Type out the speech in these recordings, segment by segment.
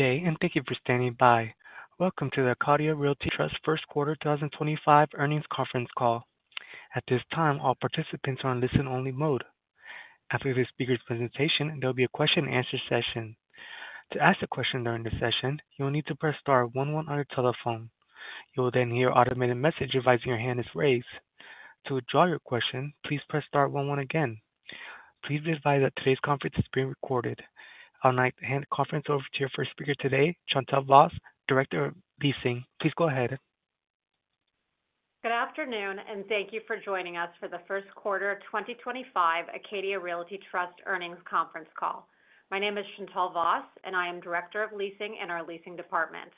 Good day, and thank you for standing by. Welcome to the Acadia Realty Trust First Quarter 2025 Earnings Conference Call. At this time, all participants are in listen-only mode. After this speaker's presentation, there will be a question-and-answer session. To ask a question during the session, you will need to press star 11 on your telephone. You will then hear an automated message advising your hand is raised. To withdraw your question, please press star 11 again. Please be advised that today's conference is being recorded. I'll now hand the conference over to your first speaker today, Chantal Voss, Director of Leasing. Please go ahead. Good afternoon, and thank you for joining us for the first quarter 2025 Acadia Realty Trust earnings conference call. My name is Chantal Voss, and I am Director of Leasing in our Leasing Department.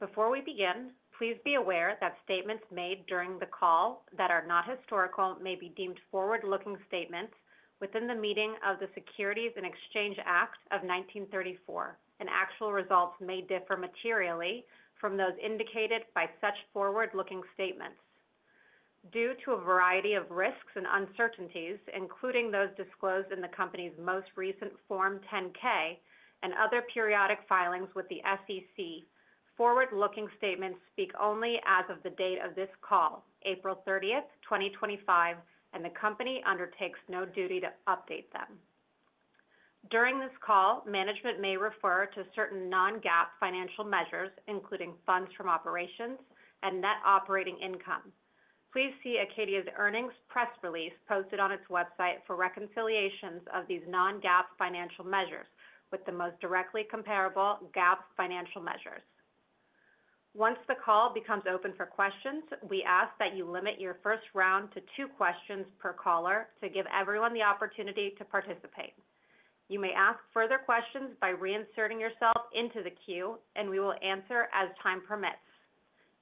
Before we begin, please be aware that statements made during the call that are not historical may be deemed forward-looking statements within the meaning of the Securities and Exchange Act of 1934, and actual results may differ materially from those indicated by such forward-looking statements. Due to a variety of risks and uncertainties, including those disclosed in the company's most recent Form 10-K and other periodic filings with the SEC, forward-looking statements speak only as of the date of this call, April 30, 2025, and the company undertakes no duty to update them. During this call, management may refer to certain non-GAAP financial measures, including funds from operations and net operating income. Please see Acadia's earnings press release posted on its website for reconciliations of these non-GAAP financial measures with the most directly comparable GAAP financial measures. Once the call becomes open for questions, we ask that you limit your first round to two questions per caller to give everyone the opportunity to participate. You may ask further questions by reinserting yourself into the queue, and we will answer as time permits.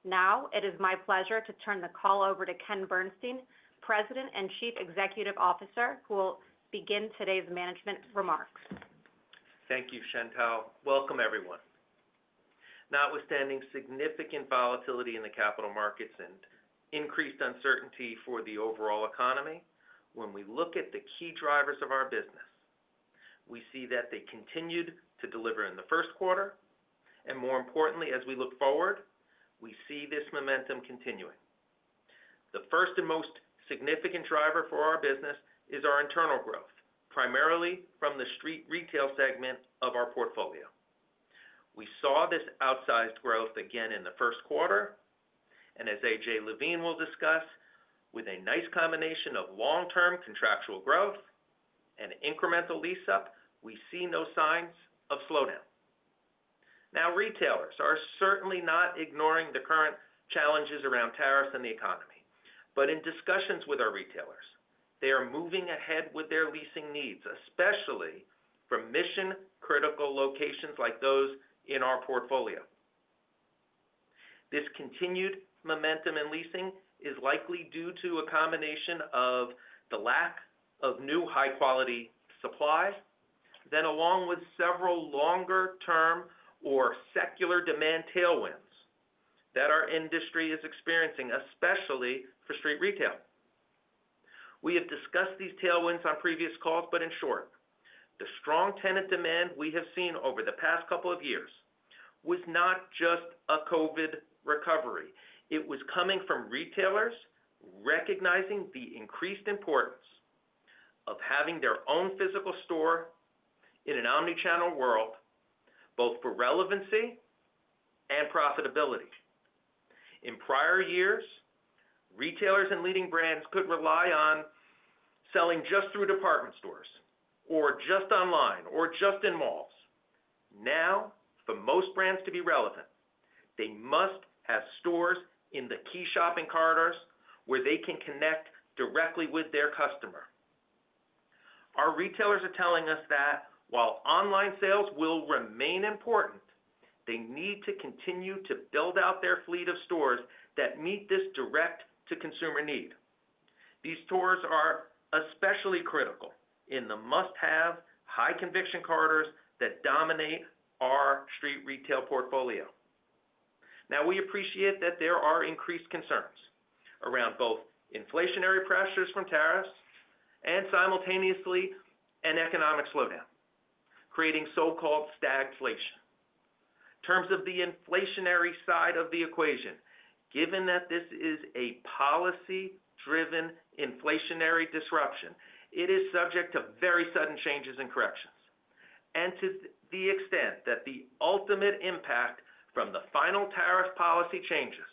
Now, it is my pleasure to turn the call over to Ken Bernstein, President and Chief Executive Officer, who will begin today's management remarks. Thank you, Chantal. Welcome, everyone. Notwithstanding significant volatility in the capital markets and increased uncertainty for the overall economy, when we look at the key drivers of our business, we see that they continued to deliver in the first quarter, and more importantly, as we look forward, we see this momentum continuing. The first and most significant driver for our business is our internal growth, primarily from the Street Retail segment of our portfolio. We saw this outsized growth again in the first quarter, and as AJ Levine will discuss, with a nice combination of long-term contractual growth and incremental lease-up, we see no signs of slowdown. Now, retailers are certainly not ignoring the current challenges around tariffs and the economy, but in discussions with our retailers, they are moving ahead with their leasing needs, especially for mission-critical locations like those in our portfolio. This continued momentum in leasing is likely due to a combination of the lack of new high-quality supply, along with several longer-term or secular demand tailwinds that our industry is experiencing, especially for Street Retail. We have discussed these tailwinds on previous calls, but in short, the strong tenant demand we have seen over the past couple of years was not just a COVID recovery. It was coming from retailers recognizing the increased importance of having their own physical store in an omnichannel world, both for relevancy and profitability. In prior years, retailers and leading brands could rely on selling just through department stores or just online or just in malls. Now, for most brands to be relevant, they must have stores in the key shopping corridors where they can connect directly with their customer. Our retailers are telling us that while online sales will remain important, they need to continue to build out their fleet of stores that meet this direct-to-consumer need. These stores are especially critical in the must-have, high-conviction corridors that dominate our Street Retail Portfolio. We appreciate that there are increased concerns around both inflationary pressures from tariffs and simultaneously an economic slowdown, creating so-called stagflation. In terms of the inflationary side of the equation, given that this is a policy-driven inflationary disruption, it is subject to very sudden changes and corrections, and to the extent that the ultimate impact from the final tariff policy changes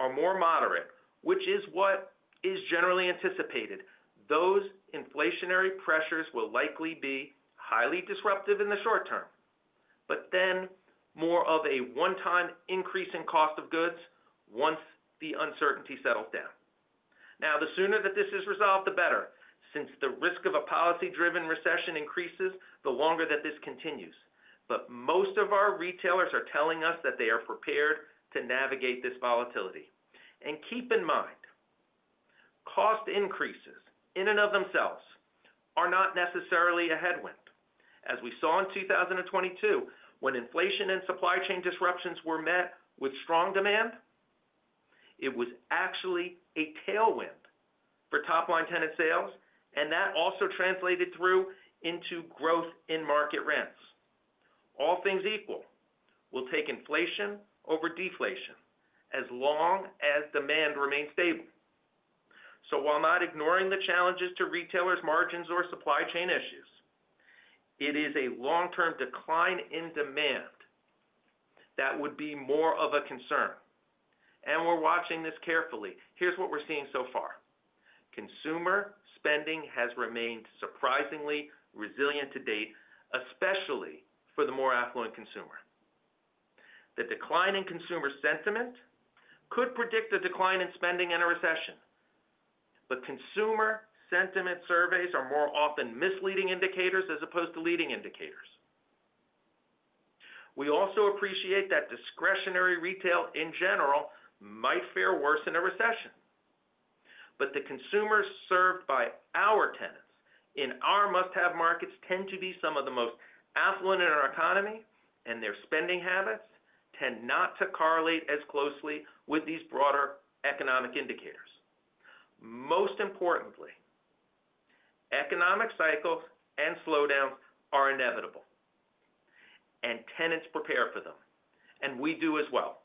are more moderate, which is what is generally anticipated, those inflationary pressures will likely be highly disruptive in the short term, but then more of a one-time increase in cost of goods once the uncertainty settles down. Now, the sooner that this is resolved, the better, since the risk of a policy-driven recession increases the longer that this continues. Most of our retailers are telling us that they are prepared to navigate this volatility. Keep in mind, cost increases in and of themselves are not necessarily a headwind. As we saw in 2022, when inflation and supply chain disruptions were met with strong demand, it was actually a tailwind for top-line tenant sales, and that also translated through into growth in market rents. All things equal, we'll take inflation over deflation as long as demand remains stable. While not ignoring the challenges to retailers' margins or supply chain issues, it is a long-term decline in demand that would be more of a concern. We are watching this carefully. Here is what we are seeing so far. Consumer spending has remained surprisingly resilient to date, especially for the more affluent consumer. The decline in consumer sentiment could predict a decline in spending in a recession, but consumer sentiment surveys are more often misleading indicators as opposed to leading indicators. We also appreciate that discretionary retail in general might fare worse in a recession, but the consumers served by our tenants in our must-have markets tend to be some of the most affluent in our economy, and their spending habits tend not to correlate as closely with these broader economic indicators. Most importantly, economic cycles and slowdowns are inevitable, and tenants prepare for them, and we do as well.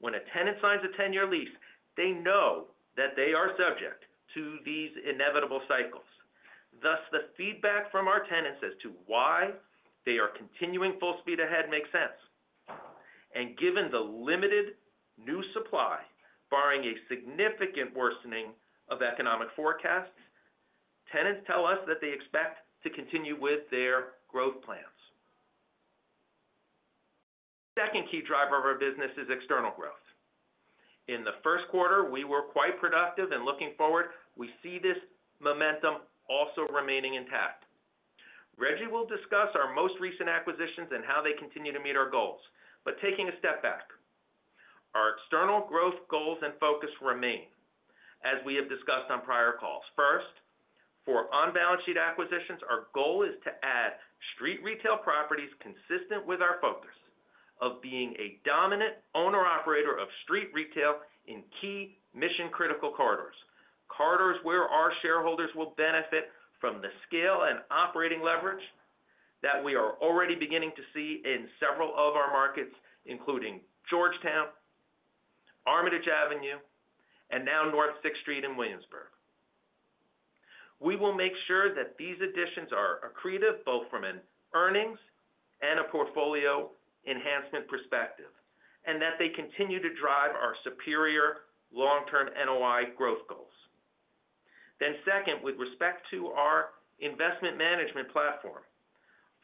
When a tenant signs a 10-year lease, they know that they are subject to these inevitable cycles. Thus, the feedback from our tenants as to why they are continuing full speed ahead makes sense. Given the limited new supply, barring a significant worsening of economic forecasts, tenants tell us that they expect to continue with their growth plans. The second key driver of our business is external growth. In the first quarter, we were quite productive, and looking forward, we see this momentum also remaining intact. Reggie will discuss our most recent acquisitions and how they continue to meet our goals, but taking a step back, our external growth goals and focus remain, as we have discussed on prior calls. First, for unbalance sheet acquisitions, our goal is to add Street Retail Properties consistent with our focus of being a dominant owner-operator of Street Retail in key mission-critical corridors, corridors where our shareholders will benefit from the scale and operating leverage that we are already beginning to see in several of our markets, including Georgetown, Armitage Avenue, and now North 6th Street in Williamsburg. We will make sure that these additions are accretive both from an earnings and a portfolio enhancement perspective and that they continue to drive our superior long-term NOI Growth Goals. Second, with respect to our Investment Management Platform,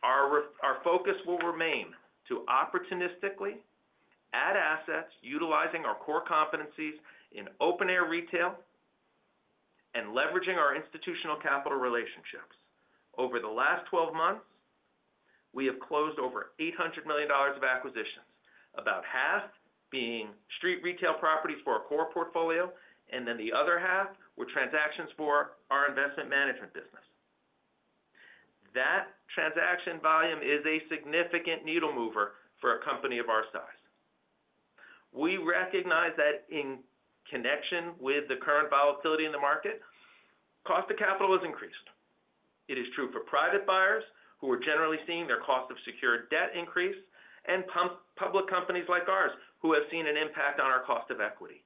our focus will remain to opportunistically add assets utilizing our core competencies in open-air retail and leveraging our Institutional Capital Relationships. Over the last 12 months, we have closed over $800 million of acquisitions, about half being Street Retail Properties for our core portfolio, and then the other half were transactions for our Investment Management business. That transaction volume is a significant needle-mover for a company of our size. We recognize that in connection with the current volatility in the market, cost of capital has increased. It is true for private buyers who are generally seeing their cost of secured debt increase and public companies like ours who have seen an impact on our cost of equity.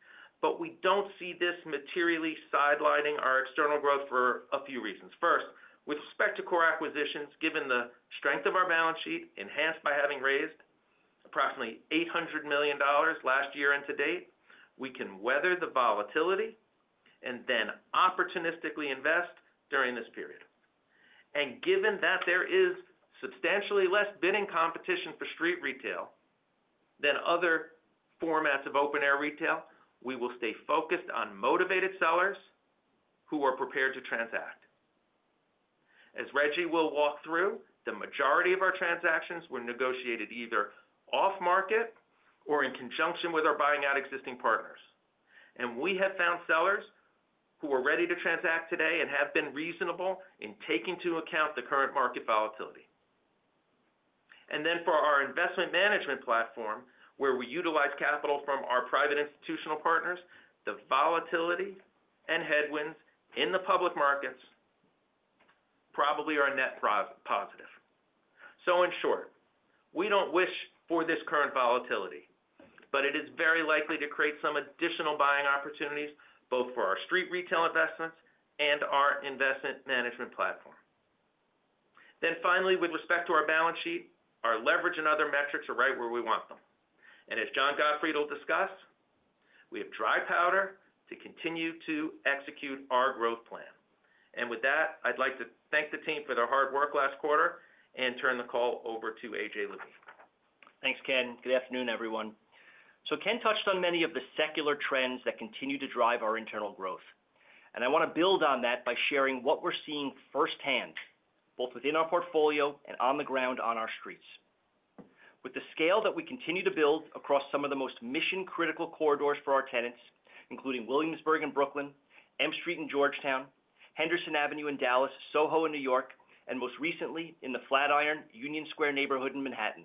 We do not see this materially sidelining our external growth for a few reasons. First, with respect to core acquisitions, given the strength of our balance sheet enhanced by having raised approximately $800 million last year and to date, we can weather the volatility and then opportunistically invest during this period. Given that there is substantially less bidding competition for Street Retail than other formats of open-air retail, we will stay focused on motivated sellers who are prepared to transact. As Reggie will walk through, the majority of our transactions were negotiated either off-market or in conjunction with our buying out existing partners. We have found sellers who are ready to transact today and have been reasonable in taking into account the current market volatility. For our Investment Management Platform, where we utilize capital from our private institutional partners, the volatility and headwinds in the public markets probably are net positive. In short, we do not wish for this current volatility, but it is very likely to create some additional buying opportunities both for our Street Retail Investments and our Investment Management Platform. Finally, with respect to our balance sheet, our leverage and other metrics are right where we want them. As John Gottfried will discuss, we have dry powder to continue to execute our growth plan. With that, I'd like to thank the team for their hard work last quarter and turn the call over to AJ Levine. Thanks, Ken. Good afternoon, everyone. Ken touched on many of the secular trends that continue to drive our internal growth. I want to build on that by sharing what we're seeing firsthand, both within our portfolio and on the ground on our Streets. With the scale that we continue to build across some of the most mission-critical corridors for our tenants, including Williamsburg in Brooklyn, M Street in Georgetown, Henderson Avenue in Dallas, SoHo in New York, and most recently in the Flatiron Union Square neighborhood in Manhattan,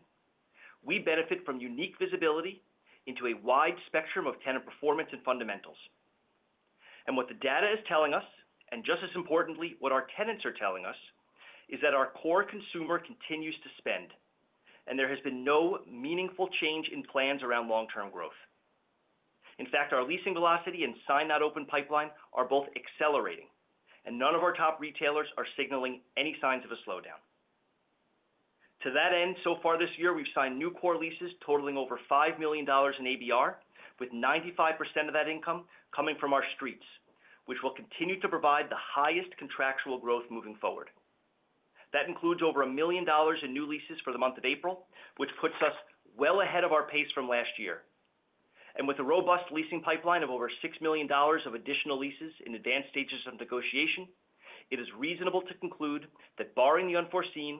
we benefit from unique visibility into a wide spectrum of tenant performance and fundamentals. What the data is telling us, and just as importantly, what our tenants are telling us, is that our core consumer continues to spend, and there has been no meaningful change in plans around long-term growth. In fact, our leasing velocity and sign-not-open pipeline are both accelerating, and none of our top retailers are signaling any signs of a slowdown. To that end, so far this year, we've signed new Core Leases totaling over $5 million in ABR, with 95% of that income coming from our Streets, which will continue to provide the highest contractual growth moving forward. That includes over $1 million in new leases for the month of April, which puts us well ahead of our pace from last year. With a robust leasing pipeline of over $6 million of additional leases in advanced stages of negotiation, it is reasonable to conclude that, barring the unforeseen,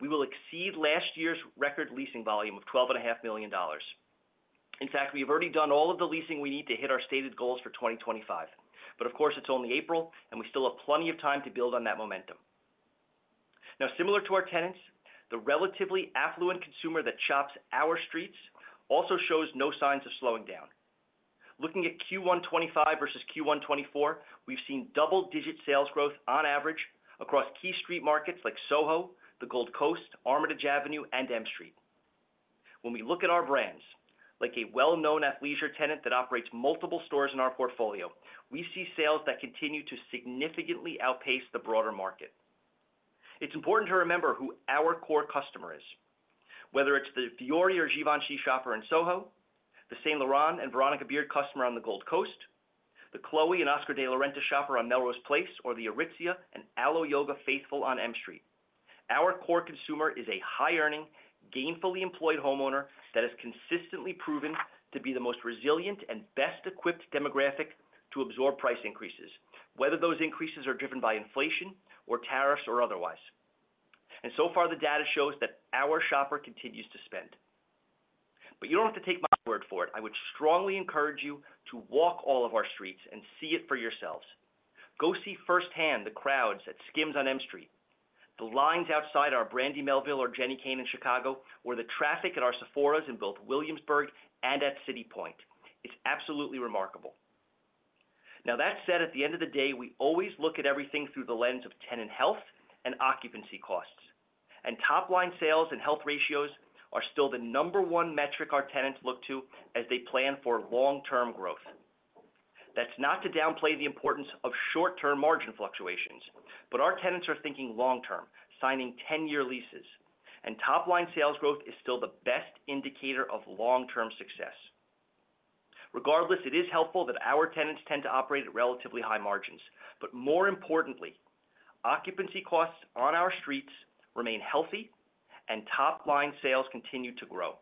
we will exceed last year's record leasing volume of $12.5 million. In fact, we have already done all of the leasing we need to hit our stated goals for 2025. Of course, it's only April, and we still have plenty of time to build on that momentum. Now, similar to our tenants, the relatively affluent consumer that shops our Streets also shows no signs of slowing down. Looking at Q1 2025 versus Q1 2024, we've seen double-digit sales growth on average across key Street Markets like SoHo, The Gold Coast, Armitage Avenue, and M Street. When we look at our brands, like a well-known athleisure tenant that operates multiple stores in our portfolio, we see sales that continue to significantly outpace the broader market. It's important to remember who our core customer is, whether it's the Fiori or Givenchy shopper in SoHo, the Saint Laurent and Veronica Beard customer on the Gold Coast, the Chloé and Oscar de la Renta shopper on Melrose Place, or the Aritzia and Alo Yoga faithful on M Street. Our core consumer is a high-earning, gainfully employed homeowner that has consistently proven to be the most resilient and best-equipped demographic to absorb price increases, whether those increases are driven by inflation or tariffs or otherwise. The data shows that our shopper continues to spend. You do not have to take my word for it. I would strongly encourage you to walk all of our Streets and see it for yourselves. Go see firsthand the crowds at SKIMS on M Street, the lines outside our Brandy Melville or Jenni Kayne in Chicago, or the traffic at our Sephora locations in both Williamsburg and at City Point. It is absolutely remarkable. That said, at the end of the day, we always look at everything through the lens of tenant health and occupancy costs. Top-line sales and health ratios are still the number one metric our tenants look to as they plan for long-term growth. That's not to downplay the importance of short-term margin fluctuations, but our tenants are thinking long-term, signing 10-year leases, and top-line sales growth is still the best indicator of long-term success. Regardless, it is helpful that our tenants tend to operate at relatively high margins, but more importantly, occupancy costs on our Streets remain healthy and top-line sales continue to grow.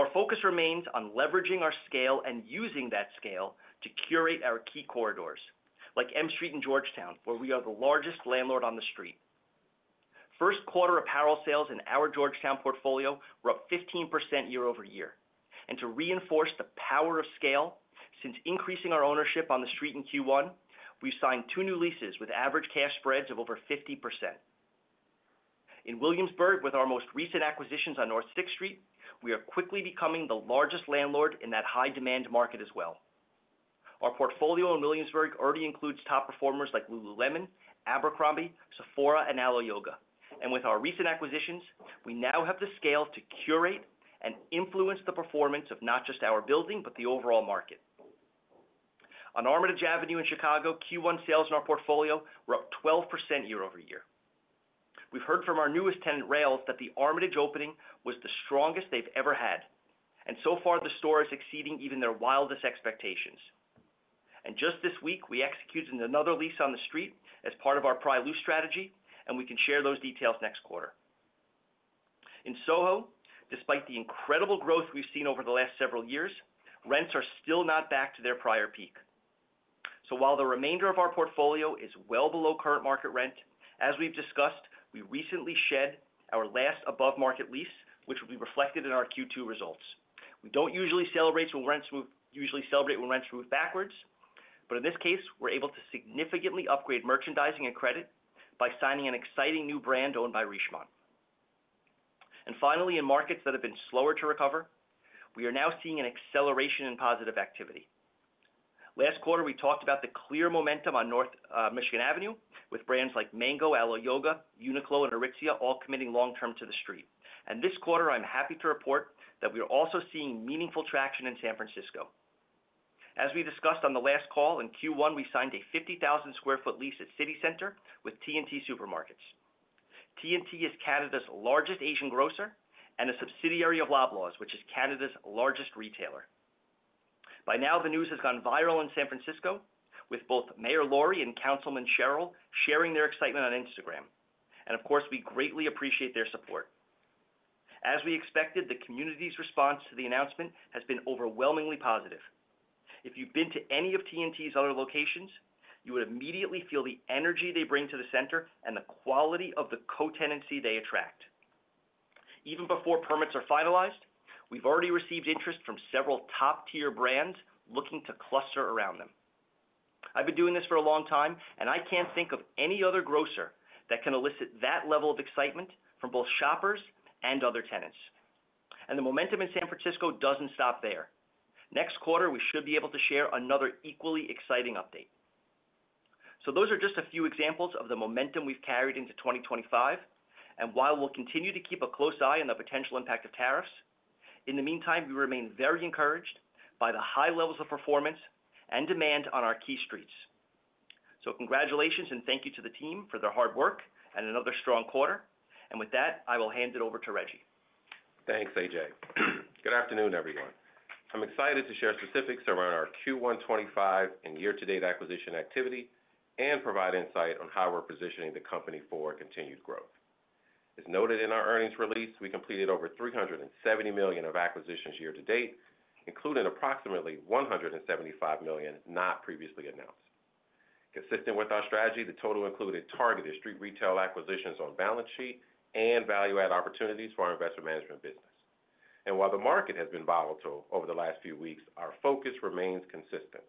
Our focus remains on leveraging our scale and using that scale to curate our key corridors, like M Street in Georgetown, where we are the largest landlord on the Street. First quarter apparel sales in our Georgetown portfolio were up 15% year-over-year. To reinforce the power of scale, since increasing our ownership on the Street in Q1, we've signed two new leases with average cash spreads of over 50%. In Williamsburg, with our most recent acquisitions on North 6th Street, we are quickly becoming the largest landlord in that high-demand market as well. Our portfolio in Williamsburg already includes top performers like lululemon, Abercrombie, Sephora, and Alo Yoga. With our recent acquisitions, we now have the scale to curate and influence the performance of not just our building, but the overall market. On Armitage Avenue in Chicago, Q1 sales in our portfolio were up 12% year-over-year. We've heard from our newest tenant, Rails, that the Armitage opening was the strongest they've ever had, and so far, the store is exceeding even their wildest expectations. Just this week, we executed another lease on the Street as part of our pry loose strategy, and we can share those details next quarter. In SoHo, despite the incredible growth we have seen over the last several years, rents are still not back to their prior peak. While the remainder of our portfolio is well below current market rent, as we have discussed, we recently shed our last above-market lease, which will be reflected in our Q2 results. We do not usually celebrate when rents move backwards, but in this case, we are able to significantly upgrade merchandising and credit by signing an exciting new brand owned by Richemont. Finally, in markets that have been slower to recover, we are now seeing an acceleration in positive activity. Last quarter, we talked about the clear momentum on North Michigan Avenue, with brands like Mango, Alo Yoga, Uniqlo, and Aritzia all committing long-term to the Street. This quarter, I'm happy to report that we are also seeing meaningful traction in San Francisco. As we discussed on the last call, in Q1, we signed a 50,000 sq ft lease at City Center with T&T Supermarkets. T&T is Canada's largest Asian grocer and a subsidiary of Loblaws, which is Canada's largest retailer. By now, the news has gone viral in San Francisco, with both Mayor Lori and Councilman Sheryl sharing their excitement on Instagram. We greatly appreciate their support. As we expected, the community's response to the announcement has been overwhelmingly positive. If you've been to any of T&T's other locations, you would immediately feel the energy they bring to the Center and the quality of the co-tenancy they attract. Even before permits are finalized, we've already received interest from several top-tier brands looking to cluster around them. I've been doing this for a long time, and I can't think of any other grocer that can elicit that level of excitement from both shoppers and other tenants. The momentum in San Francisco doesn't stop there. Next quarter, we should be able to share another equally exciting update. Those are just a few examples of the momentum we've carried into 2025. While we'll continue to keep a close eye on the potential impact of tariffs, in the meantime, we remain very encouraged by the high levels of performance and demand on our key Streets. Congratulations and thank you to the team for their hard work and another strong quarter. With that, I will hand it over to Reggie. Thanks, AJ. Good afternoon, everyone. I'm excited to share specifics around our Q1 2025 and year-to-date acquisition activity and provide insight on how we're positioning the company for continued growth. As noted in our earnings release, we completed over $370 million of acquisitions year-to-date, including approximately $175 million not previously announced. Consistent with our strategy, the total included targeted Street Retail acquisitions on balance sheet and value-add opportunities for our Investment Management business. While the market has been volatile over the last few weeks, our focus remains consistent.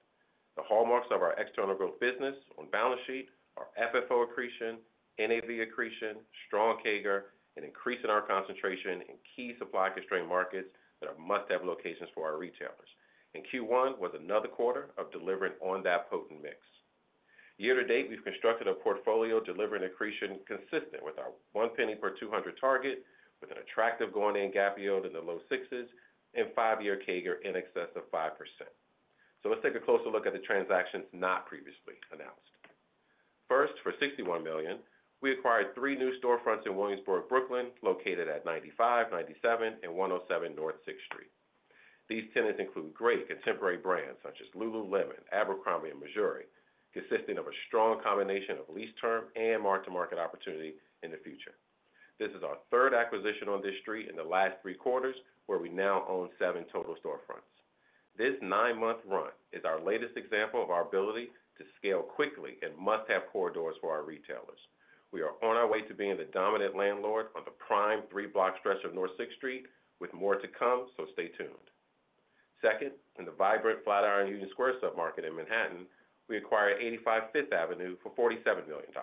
The hallmarks of our external growth business on balance sheet are FFO accretion, NAV accretion, strong CAGR, and increasing our concentration in key supply-constrained markets that are must-have locations for our retailers. Q1 was another quarter of delivering on that potent mix. Year-to-date, we've constructed a portfolio delivering accretion consistent with our one penny per 200 target, with an attractive going-in gap yield in the low sixes and five-year CAGR in excess of 5%. Let's take a closer look at the transactions not previously announced. First, for $61 million, we acquired three new storefronts in Williamsburg, Brooklyn, located at 95, 97, and 107 North 6th Street. These tenants include great contemporary brands such as lululemon, Abercrombie, and Missoni, consisting of a strong combination of lease term and mark-to-market opportunity in the future. This is our third acquisition on this Street in the last three quarters, where we now own seven total storefronts. This nine-month run is our latest example of our ability to scale quickly in must-have corridors for our retailers. We are on our way to being the dominant landlord on the prime three-block stretch of North 6th Street, with more to come, so stay tuned. Second, in the vibrant Flatiron Union Square submarket in Manhattan, we acquired 85 Fifth Avenue for $47 million.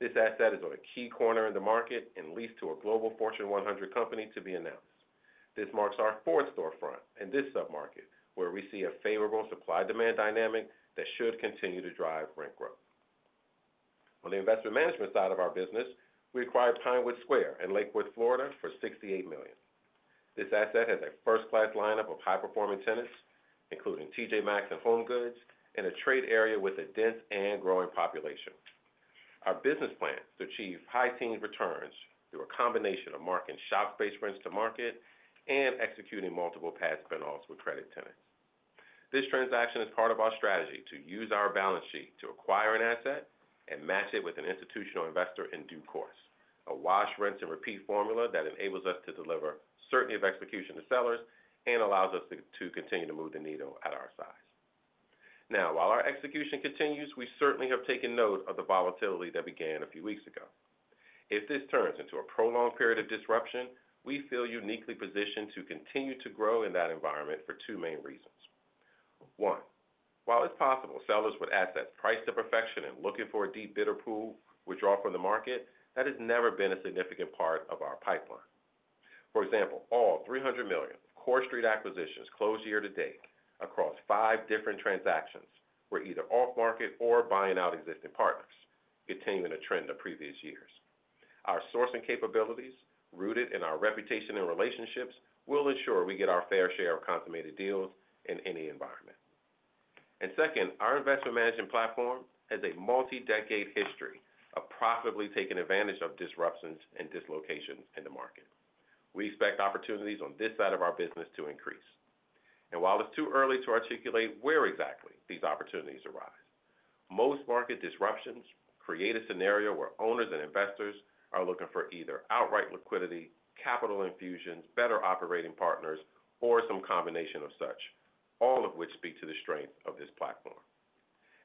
This asset is on a key corner in the market and leased to a global Fortune 100 company to be announced. This marks our fourth storefront in this submarket, where we see a favorable supply-demand dynamic that should continue to drive rent growth. On the Investment Management side of our business, we acquired Pinewood Square in Lakewood, Florida, for $68 million. This asset has a first-class lineup of high-performing tenants, including T.J. Maxx and HomeGoods, and a trade area with a dense and growing population. Our business plan is to achieve high-teens returns through a combination of marking shop-based rents to market and executing multiple pad spin-offs with credit tenants. This transaction is part of our strategy to use our balance sheet to acquire an asset and match it with an institutional investor in due course, a wash rents and repeat formula that enables us to deliver certainty of execution to sellers and allows us to continue to move the needle at our size. Now, while our execution continues, we certainly have taken note of the volatility that began a few weeks ago. If this turns into a prolonged period of disruption, we feel uniquely positioned to continue to grow in that environment for two main reasons. One, while it's possible sellers with assets priced to perfection and looking for a deep bidder pool withdraw from the market, that has never been a significant part of our pipeline. For example, all $300 million of Core Street acquisitions closed year-to-date across five different transactions were either off-market or buying out existing partners, continuing a trend of previous years. Our sourcing capabilities, rooted in our reputation and relationships, will ensure we get our fair share of consummated deals in any environment. Second, our Investment Management Platform has a multi-decade history of profitably taking advantage of disruptions and dislocations in the market. We expect opportunities on this side of our business to increase. While it's too early to articulate where exactly these opportunities arise, most market disruptions create a scenario where owners and investors are looking for either outright liquidity, capital infusions, better operating partners, or some combination of such, all of which speak to the strength of this platform.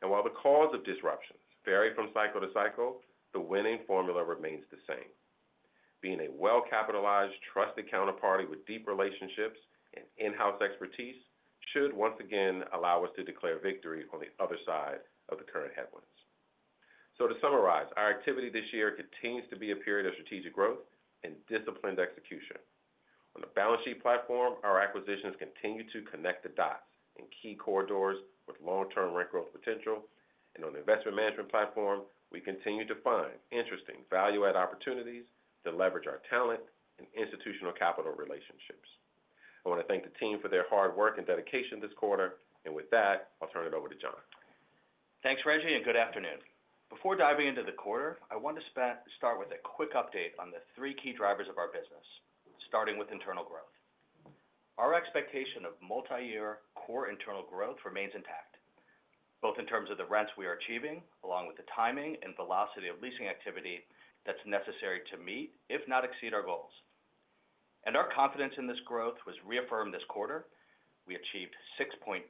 While the cause of disruptions varies from cycle to cycle, the winning formula remains the same. Being a well-capitalized, trusted counterparty with deep relationships and in-house expertise should once again allow us to declare victory on the other side of the current headwinds. To summarize, our activity this year continues to be a period of strategic growth and disciplined execution. On the balance sheet platform, our acquisitions continue to connect the dots in key corridors with long-term rent growth potential. On the Investment Management Platform, we continue to find interesting value-add opportunities to leverage our talent and Institutional Capital Relationships. I want to thank the team for their hard work and dedication this quarter. With that, I'll turn it over to John. Thanks, Reggie, and good afternoon. Before diving into the quarter, I want to start with a quick update on the three key drivers of our business, starting with internal growth. Our expectation of multi-year Core Internal Growth remains intact, both in terms of the rents we are achieving, along with the timing and velocity of Leasing Activity that is necessary to meet, if not exceed, our goals. Our confidence in this growth was reaffirmed this quarter. We achieved 6.8%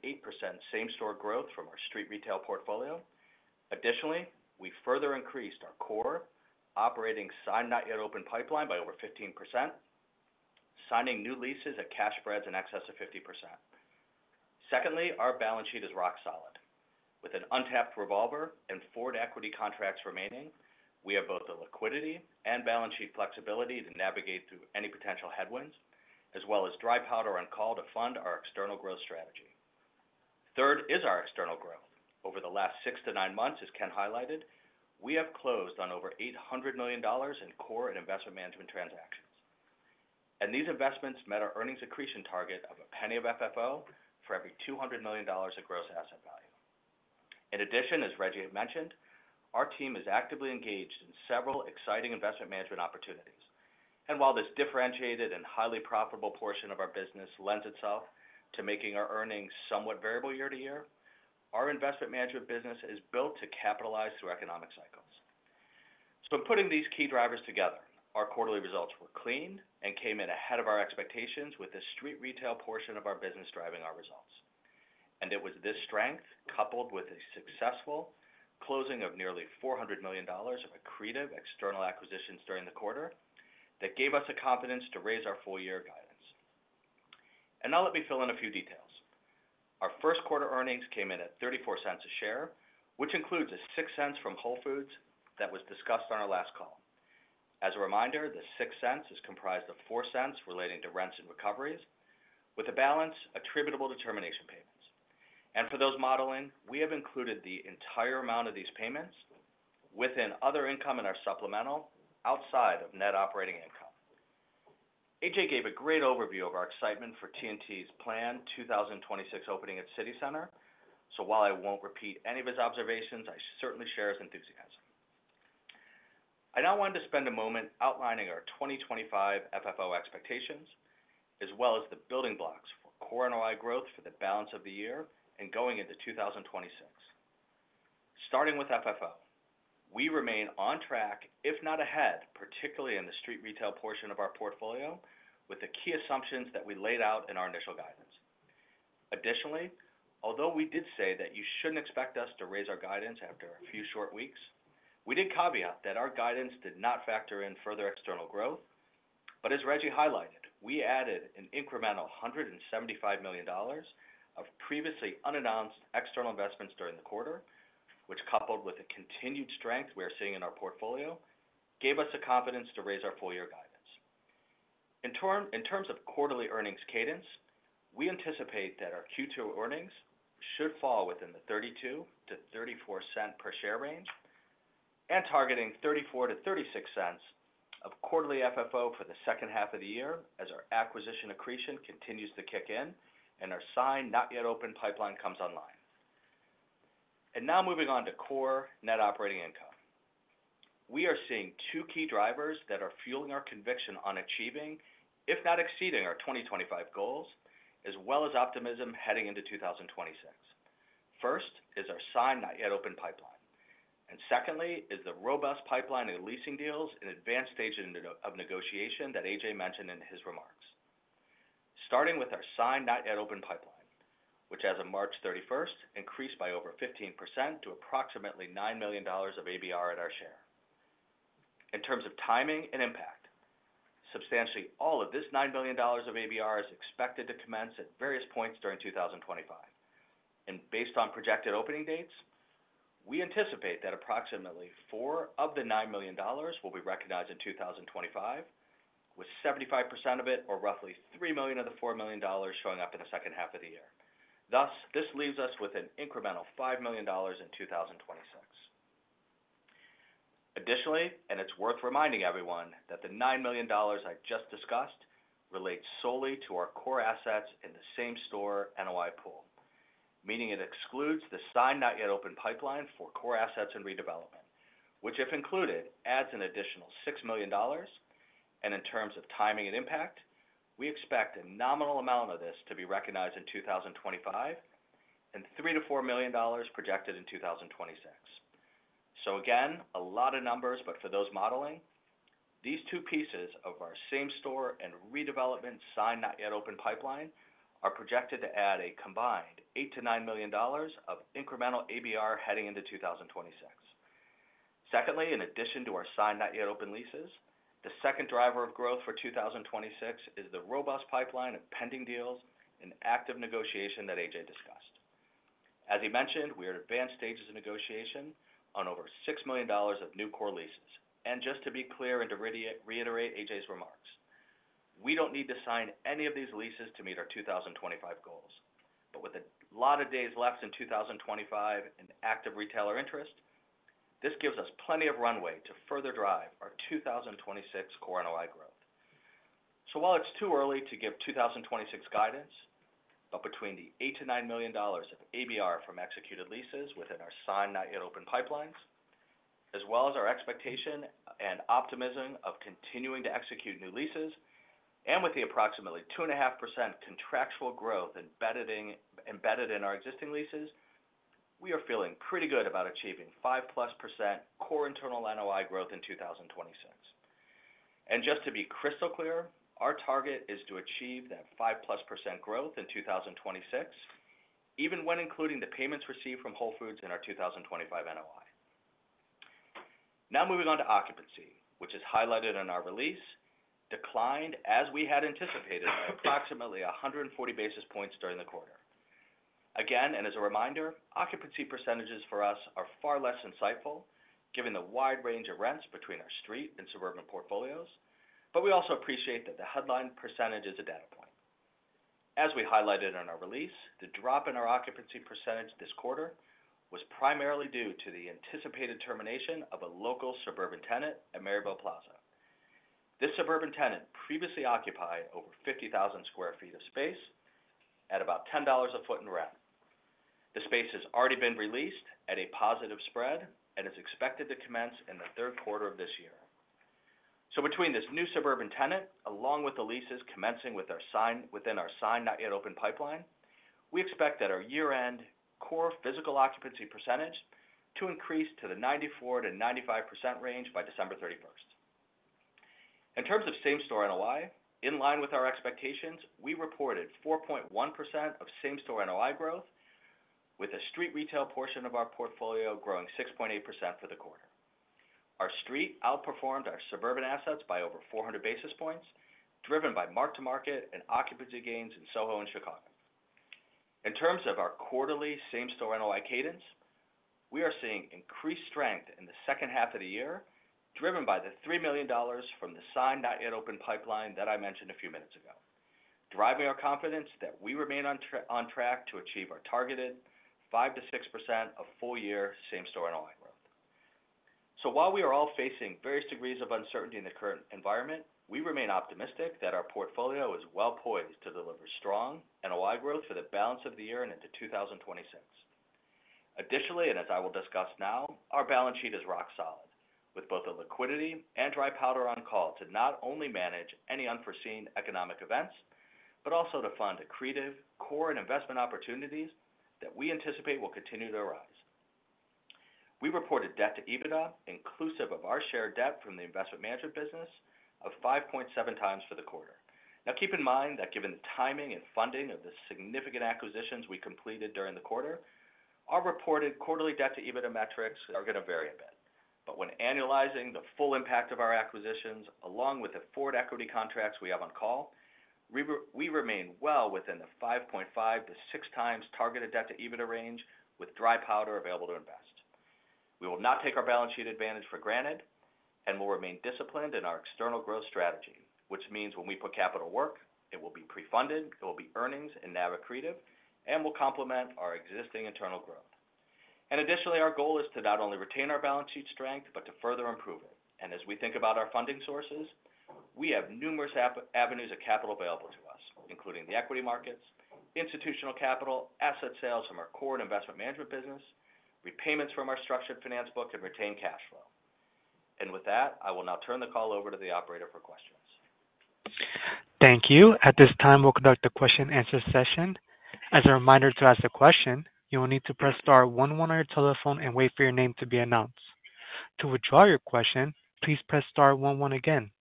same-store growth from our Street Retail Portfolio. Additionally, we further increased our Core Operating signed-not-yet-open pipeline by over 15%, signing new leases at cash spreads in excess of 50%. Secondly, our balance sheet is rock solid. With an untapped revolver and forward equity contracts remaining, we have both the liquidity and balance sheet flexibility to navigate through any potential headwinds, as well as dry powder on call to fund our external growth strategy. Third is our external growth. Over the last six to nine months, as Ken highlighted, we have closed on over $800 million in Core and Investment Management transactions. These investments met our earnings accretion target of a penny of FFO for every $200 million in gross asset value. In addition, as Reggie had mentioned, our team is actively engaged in several exciting Investment Management opportunities. While this differentiated and highly profitable portion of our business lends itself to making our earnings somewhat variable year-to-year, our Investment Management business is built to capitalize through economic cycles. In putting these key drivers together, our quarterly results were clean and came in ahead of our expectations with the Street Retail portion of our business driving our results. It was this strength, coupled with a successful closing of nearly $400 million of accretive external acquisitions during the quarter, that gave us the confidence to raise our full-year guidance. Now let me fill in a few details. Our first quarter earnings came in at $0.34 a share, which includes $0.06 from Whole Foods that was discussed on our last call. As a reminder, the $0.06 is comprised of $0.04 relating to rents and recoveries, with a balance attributable to termination payments. For those modeling, we have included the entire amount of these payments within other income in our supplemental outside of net operating income. AJ gave a great overview of our excitement for T&T's planned 2026 opening at City Center. While I won't repeat any of his observations, I certainly share his enthusiasm. I now wanted to spend a moment outlining our 2025 FFO expectations, as well as the building blocks for Core and ROI growth for the balance of the year and going into 2026. Starting with FFO, we remain on track, if not ahead, particularly in the Street Retail portion of our portfolio, with the key assumptions that we laid out in our initial guidance. Additionally, although we did say that you shouldn't expect us to raise our guidance after a few short weeks, we did caveat that our guidance did not factor in further external growth. As Reggie highlighted, we added an incremental $175 million of previously unannounced external investments during the quarter, which, coupled with the continued strength we are seeing in our portfolio, gave us the confidence to raise our full-year guidance. In terms of quarterly earnings cadence, we anticipate that our Q2 earnings should fall within the$0.32-$0.34 per share range, and targeting $0.34-$0.36 of quarterly FFO for the second half of the year as our acquisition accretion continues to kick in and our signed-not-yet open pipeline comes online. Now moving on to Core Net Operating Income. We are seeing two key drivers that are fueling our conviction on achieving, if not exceeding, our 2025 goals, as well as optimism heading into 2026. First is our signed-not-yet open pipeline. Secondly is the robust pipeline of leasing deals in advanced stages of negotiation that AJ mentioned in his remarks. Starting with our signed-not-yet-open pipeline, which, as of March 31st, increased by over 15% to approximately $9 million of ABR at our share. In terms of timing and impact, substantially all of this $9 million of ABR is expected to commence at various points during 2025. Based on projected opening dates, we anticipate that approximately four of the $9 million will be recognized in 2025, with 75% of it, or roughly $3 million of the $4 million, showing up in the second half of the year. This leaves us with an incremental $5 million in 2026. Additionally, and it's worth reminding everyone that the $9 million I just discussed relates solely to our core assets in the same store NOI pool, meaning it excludes the signed-not-yet-open pipeline for core assets and redevelopment, which, if included, adds an additional $6 million. In terms of timing and impact, we expect a nominal amount of this to be recognized in 2025 and $3 million-$4 million projected in 2026. Again, a lot of numbers, but for those modeling, these two pieces of our same store and redevelopment signed-not-yet-open pipeline are projected to add a combined $8 million-$9 million of incremental ABR heading into 2026. Secondly, in addition to our signed-out yet open leases, the second driver of growth for 2026 is the robust pipeline of pending deals and active negotiation that AJ discussed. As he mentioned, we are at advanced stages of negotiation on over $6 million of new Core Leases. Just to be clear and to reiterate AJ's remarks, we don't need to sign any of these leases to meet our 2025 goals. With a lot of days left in 2025 and active retailer interest, this gives us plenty of runway to further drive our 2026 Core NOI Growth. While it's too early to give 2026 guidance, between the $8 miliion-$9 million of ABR from executed leases within our signed-not-yet-open pipelines, as well as our expectation and optimism of continuing to execute new leases, and with the approximately 2.5% contractual growth embedded in our existing leases, we are feeling pretty good about achieving 5-plus % Core Internal NOI Growth in 2026. Just to be crystal clear, our target is to achieve that 5%+ growth in 2026, even when including the payments received from Whole Foods in our 2025 NOI. Now moving on to occupancy, which is highlighted in our release, declined as we had anticipated by approximately 140 basis points during the quarter. Again, and as a reminder, occupancy percentages for us are far less insightful, given the wide range of rents between our Street and Suburban Portfolios, but we also appreciate that the headline percentage is a data point. As we highlighted in our release, the drop in our occupancy percentage this quarter was primarily due to the anticipated termination of a local Suburban Tenant at Maryville Plaza. This Suburban Tenant previously occupied over 50,000 sq ft of space at about $10 a foot in rent. The space has already been released at a positive spread and is expected to commence in the third quarter of this year. Between this new Suburban Tenant, along with the leases commencing within our signed-not-yet-open pipeline, we expect that our year-end Core Physical Occupancy Percentage to increase to the 94%-95% range by December 31st. In terms of same store NOI, in line with our expectations, we reported 4.1% of same store NOI Growth, with a Street Retail portion of our portfolio growing 6.8% for the quarter. Our Street outperformed our Suburban Assets by over 400 basis points, driven by mark-to-market and occupancy gains in SoHo and Chicago. In terms of our quarterly same store NOI cadence, we are seeing increased strength in the second half of the year, driven by the $3 million from the signed-not-yet-open pipeline that I mentioned a few minutes ago, driving our confidence that we remain on track to achieve our targeted 5%-6% of full-year same store NOI Growth. While we are all facing various degrees of uncertainty in the current environment, we remain optimistic that our portfolio is well poised to deliver strong NOI Growth for the balance of the year and into 2026. Additionally, and as I will discuss now, our balance sheet is rock solid, with both the liquidity and dry powder on call to not only manage any unforeseen economic events, but also to fund accretive core and investment opportunities that we anticipate will continue to arise. We reported debt to EBITDA, inclusive of our share debt from the Investment Management business, of 5.7 times for the quarter. Now, keep in mind that given the timing and funding of the significant acquisitions we completed during the quarter, our reported quarterly Debt to EBITDA metrics are going to vary a bit. When annualizing the full impact of our acquisitions, along with the forward Equity Contracts we have on call, we remain well within the 5.5-6 times targeted debt to EBITDA range, with dry powder available to invest. We will not take our balance sheet advantage for granted and will remain disciplined in our external growth strategy, which means when we put capital work, it will be pre-funded, it will be earnings and now accretive, and will complement our existing internal growth. Additionally, our goal is to not only retain our balance sheet strength, but to further improve it. As we think about our funding sources, we have numerous avenues of capital available to us, including the equity markets, institutional capital, asset sales from our Core and Investment Management business, repayments from our Structured Finance Book, and retained cash flow. With that, I will now turn the call over to the operator for questions. Thank you. At this time, we'll conduct a question-and-answer session. As a reminder to ask a question, you will need to press star 11 on your telephone and wait for your name to be announced. To withdraw your question, please press star 11 again.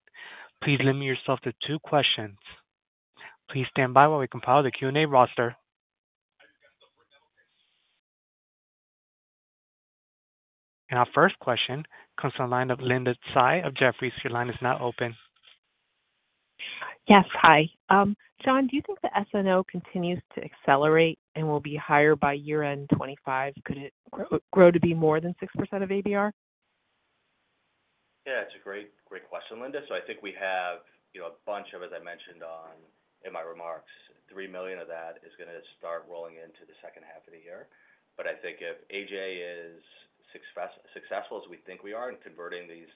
Please limit yourself to two questions. Please stand by while we compile the Q&A roster. Our first question comes from the line of Linda Tsai of Jefferies. Your line is now open. Yes, hi. John, do you think the SNO continues to accelerate and will be higher by year-end 2025? Could it grow to be more than 6% of ABR? Yeah, it's a great, great question, Linda. I think we have a bunch of, as I mentioned in my remarks, $3 million of that is going to start rolling into the second half of the year. I think if AJ is successful as we think we are in converting these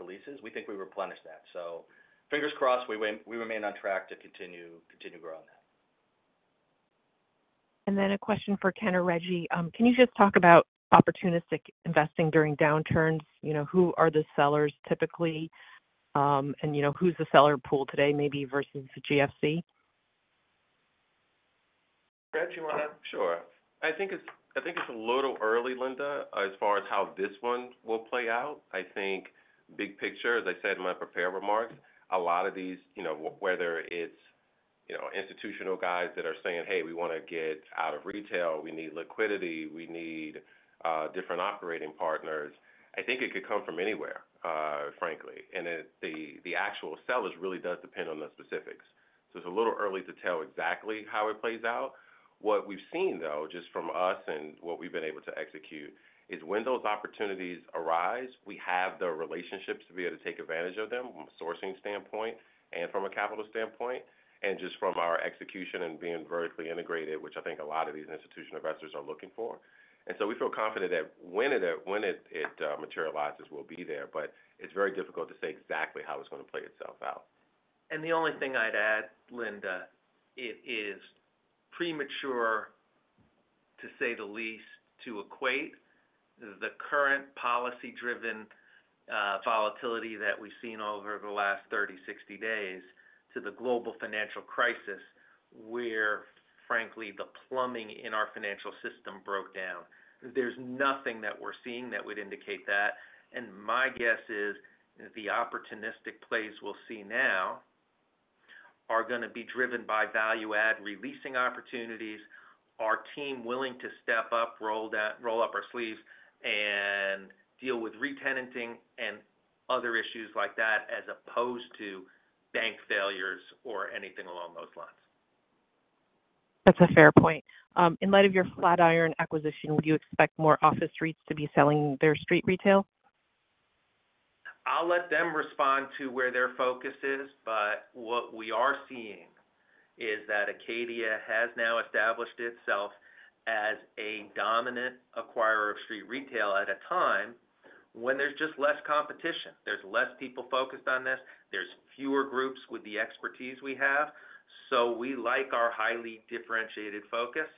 leases, we think we replenish that. Fingers crossed, we remain on track to continue growing that. A question for Ken or Reggie. Can you just talk about opportunistic investing during downturns? Who are the sellers typically, and who is the seller pool today maybe versus the GFC? Reg, do you want to? Sure. I think it's a little early, Linda, as far as how this one will play out. I think big picture, as I said in my prepared remarks, a lot of these, whether it's institutional guys that are saying, "Hey, we want to get out of retail, we need liquidity, we need different operating partners," I think it could come from anywhere, frankly. The actual sellers really does depend on the specifics. It is a little early to tell exactly how it plays out. What we've seen, though, just from us and what we've been able to execute, is when those opportunities arise, we have the relationships to be able to take advantage of them from a sourcing standpoint and from a capital standpoint, and just from our execution and being vertically integrated, which I think a lot of these institutional investors are looking for. We feel confident that when it materializes, we'll be there. It is very difficult to say exactly how it's going to play itself out. The only thing I'd add, Linda, it is premature, to say the least, to equate the current policy-driven volatility that we've seen over the last 30-60 days to the global financial crisis where, frankly, the plumbing in our financial system broke down. There's nothing that we're seeing that would indicate that. My guess is the opportunistic plays we'll see now are going to be driven by value-add releasing opportunities, our team willing to step up, roll up our sleeves, and deal with re-tenanting and other issues like that, as opposed to bank failures or anything along those lines. That's a fair point. In light of your Flatiron acquisition, would you expect more office streets to be selling their Street Retail? I'll let them respond to where their focus is. What we are seeing is that Acadia has now established itself as a dominant acquirer of Street Retail at a time when there's just less competition. There's less people focused on this. There's fewer groups with the expertise we have. We like our highly differentiated focus.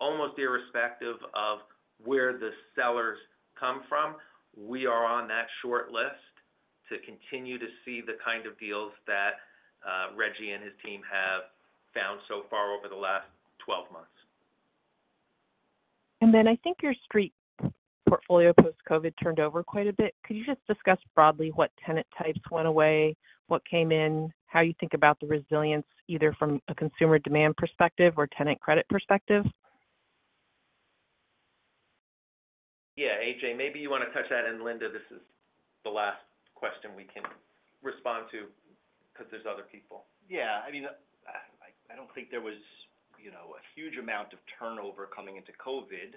Almost irrespective of where the sellers come from, we are on that short list to continue to see the kind of deals that Reggie and his team have found so far over the last 12 months. I think your Street Portfolio post-COVID turned over quite a bit. Could you just discuss broadly what tenant types went away, what came in, how you think about the resilience, either from a consumer demand perspective or tenant credit perspective? Yeah, AJ, maybe you want to touch that. Linda, this is the last question we can respond to because there's other people. Yeah. I mean, I do not think there was a huge amount of turnover coming into COVID.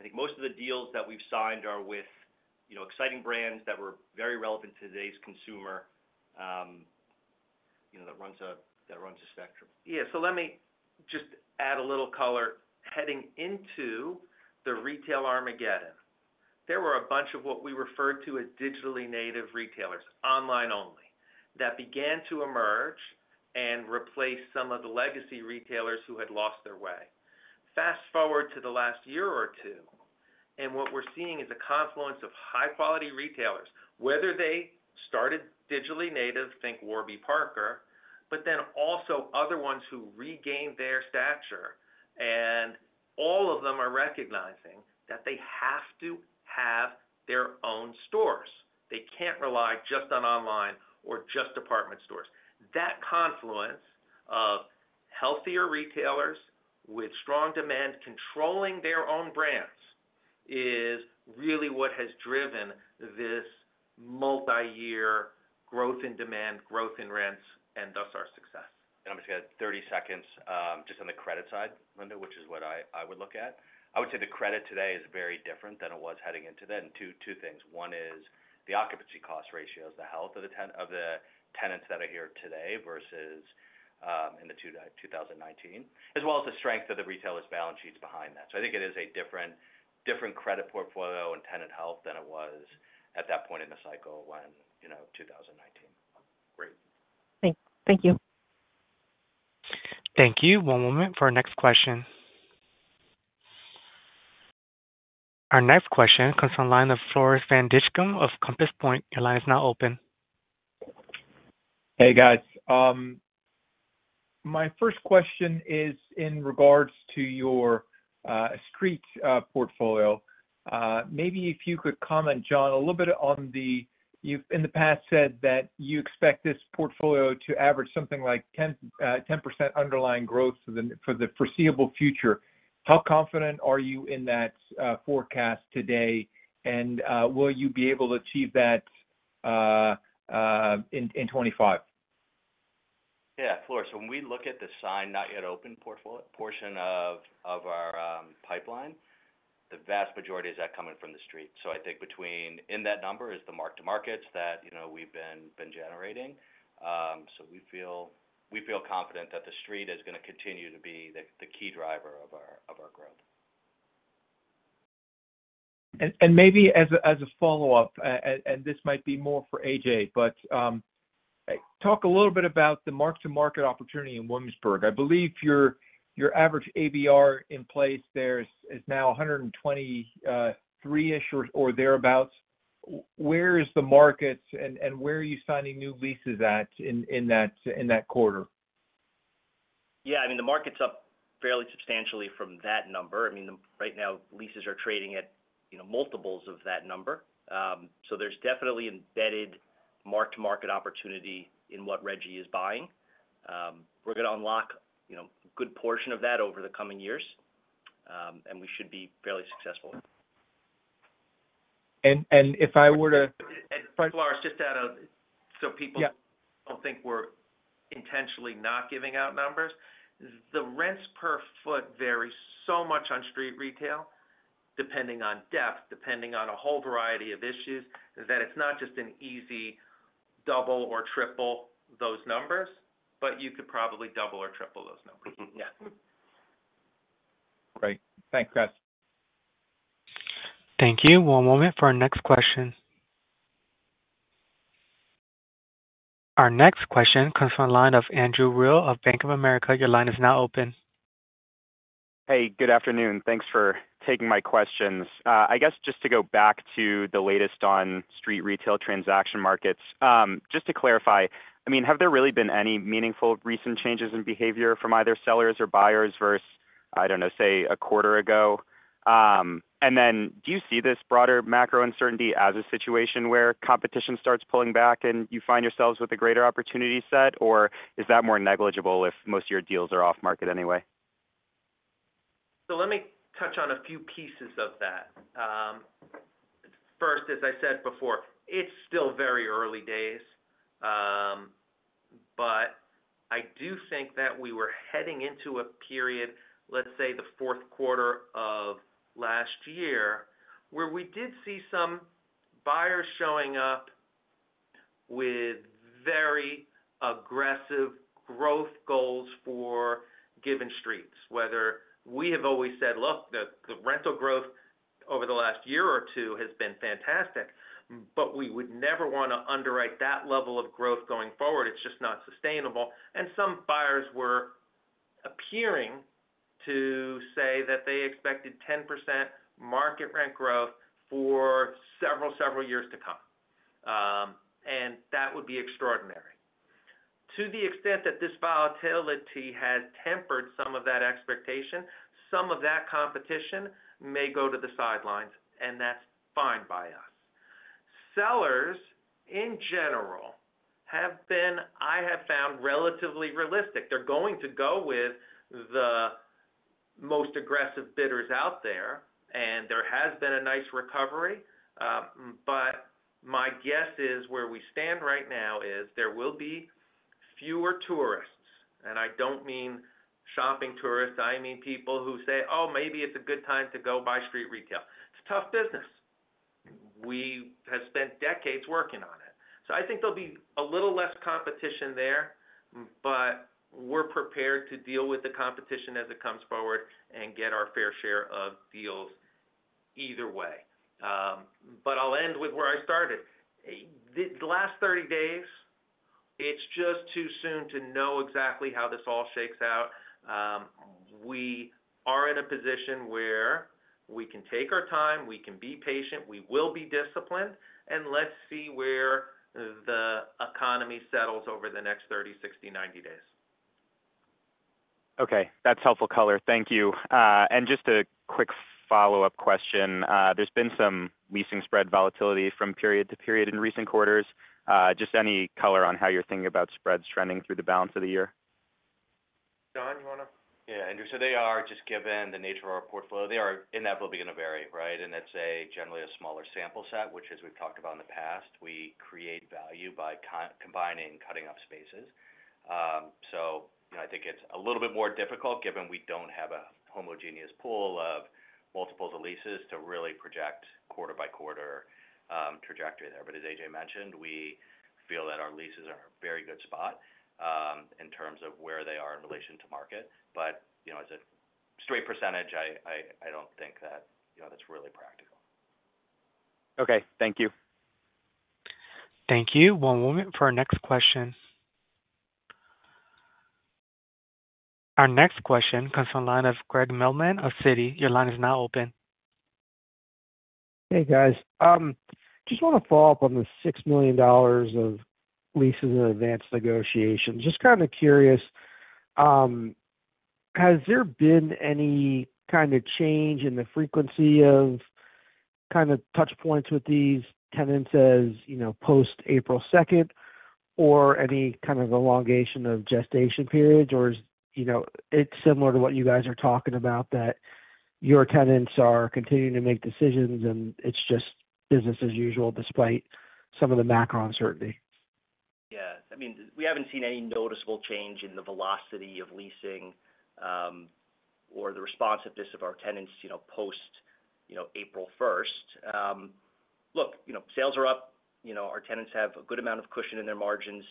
I think most of the deals that we have signed are with exciting brands that were very relevant to today's consumer that runs a spectrum. Yeah. Let me just add a little color. Heading into the retail Armageddon, there were a bunch of what we referred to as digitally native retailers, online only, that began to emerge and replace some of the legacy retailers who had lost their way. Fast forward to the last year or two, and what we are seeing is a confluence of high-quality retailers, whether they started digitally native, think Warby Parker, but then also other ones who regained their stature. All of them are recognizing that they have to have their own stores. They cannot rely just on online or just department stores. That confluence of healthier retailers with strong demand controlling their own brands is really what has driven this multi-year growth in demand, growth in rents, and thus our success. I am just going to add 30 seconds just on the credit side, Linda, which is what I would look at. I would say the credit today is very different than it was heading into that in two things. One is the occupancy cost ratios, the health of the tenants that are here today versus in 2019, as well as the strength of the retailers' balance sheets behind that. I think it is a different credit portfolio and tenant health than it was at that point in the cycle in 2019. Great. Thank you. Thank you. One moment for our next question. Our next question comes from the line of Floris van Dijkum of Compass Point. Your line is now open. Hey, guys. My first question is in regards to your Street Portfolio. Maybe if you could comment, John, a little bit on the you've in the past said that you expect this portfolio to average something like 10% underlying growth for the foreseeable future. How confident are you in that forecast today? Will you be able to achieve that in 2025? Yeah. Floris, when we look at the signed-out-yet-open portion of our pipeline, the vast majority of that is coming from the Street. I think in that number is the mark-to-markets that we've been generating. We feel confident that the Street is going to continue to be the key driver of our growth. Maybe as a follow-up, and this might be more for AJ, but talk a little bit about the mark-to-market opportunity in Williamsburg. I believe your average ABR in place there is now $123-ish or thereabouts. Where is the market, and where are you signing new leases at in that quarter? Yeah. I mean, the market's up fairly substantially from that number. I mean, right now, leases are trading at multiples of that number. There is definitely embedded mark-to-market opportunity in what Reggie is buying. We are going to unlock a good portion of that over the coming years, and we should be fairly successful. If I were to. Floris, just out of so people do not think we are intentionally not giving out numbers. The rents per foot vary so much on Street Retail, depending on depth, depending on a whole variety of issues, that it is not just an easy double or triple those numbers, but you could probably double or triple those numbers. Yeah. Right. Thank you. Thank you. One moment for our next question. Our next question comes from the line of Andrew Reale of Bank of America. Your line is now open. Hey, good afternoon. Thanks for taking my questions. I guess just to go back to the latest on Street Retail transaction markets, just to clarify, I mean, have there really been any meaningful recent changes in behavior from either sellers or buyers versus, I don't know, say, a quarter ago? I mean, do you see this broader macro uncertainty as a situation where competition starts pulling back and you find yourselves with a greater opportunity set, or is that more negligible if most of your deals are off-market anyway? Let me touch on a few pieces of that. First, as I said before, it's still very early days. I do think that we were heading into a period, let's say, the fourth quarter of last year, where we did see some buyers showing up with very aggressive growth goals for given Streets, whether we have always said, "Look, the rental growth over the last year or two has been fantastic, but we would never want to underwrite that level of growth going forward. It's just not sustainable." Some buyers were appearing to say that they expected 10% market rent growth for several, several years to come. That would be extraordinary. To the extent that this volatility has tempered some of that expectation, some of that competition may go to the sidelines, and that's fine by us. Sellers, in general, have been, I have found, relatively realistic. They are going to go with the most aggressive bidders out there. There has been a nice recovery. My guess is where we stand right now is there will be fewer tourists. I do not mean shopping tourists. I mean people who say, "Oh, maybe it is a good time to go buy Street Retail." It is tough business. We have spent decades working on it. I think there will be a little less competition there, but we are prepared to deal with the competition as it comes forward and get our fair share of deals either way. I will end with where I started. The last 30 days, it is just too soon to know exactly how this all shakes out. We are in a position where we can take our time, we can be patient, we will be disciplined, and let's see where the economy settles over the next 30, 60, 90 days. Okay. That's helpful color. Thank you. Just a quick follow-up question. There's been some leasing spread volatility from period to period in recent quarters. Just any color on how you're thinking about spreads trending through the balance of the year? John, you want to? Yeah. Andrew, they are, just given the nature of our portfolio, they are inevitably going to vary, right? It is generally a smaller sample set, which, as we have talked about in the past, we create value by combining cutting-up spaces. I think it is a little bit more difficult given we do not have a homogeneous pool of multiples of leases to really project quarter-by-quarter trajectory there. As AJ mentioned, we feel that our leases are in a very good spot in terms of where they are in relation to market. As a straight percentage, I do not think that that is really practical. Okay. Thank you. Thank you. One moment for our next question. Our next question comes from the line of Craig Mailman of Citi. Your line is now open. Hey, guys. Just want to follow up on the $6 million of leases in advance negotiation. Just kind of curious, has there been any kind of change in the frequency of kind of touchpoints with these tenants as post-April 2nd, or any kind of elongation of gestation periods, or is it similar to what you guys are talking about that your tenants are continuing to make decisions and it's just business as usual despite some of the macro uncertainty? Yeah. I mean, we haven't seen any noticeable change in the velocity of leasing or the responsiveness of our tenants post-April 1st. Look, sales are up. Our tenants have a good amount of cushion in their margins.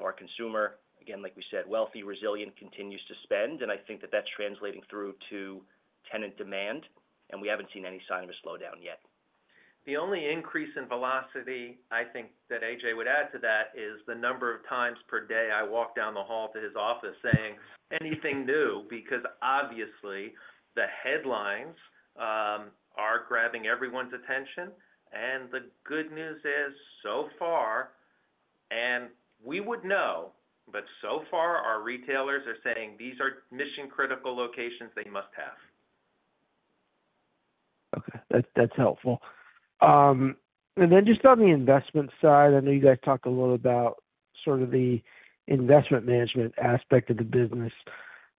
Our consumer, again, like we said, wealthy, resilient, continues to spend. I think that that's translating through to tenant demand. We haven't seen any sign of a slowdown yet. The only increase in velocity, I think, that AJ would add to that is the number of times per day I walk down the hall to his office saying, "Anything new?" Obviously, the headlines are grabbing everyone's attention. The good news is, so far, and we would know, but so far, our retailers are saying, "These are mission-critical locations. They must have. Okay. That's helpful. Just on the investment side, I know you guys talked a little about sort of the Investment Management aspect of the business.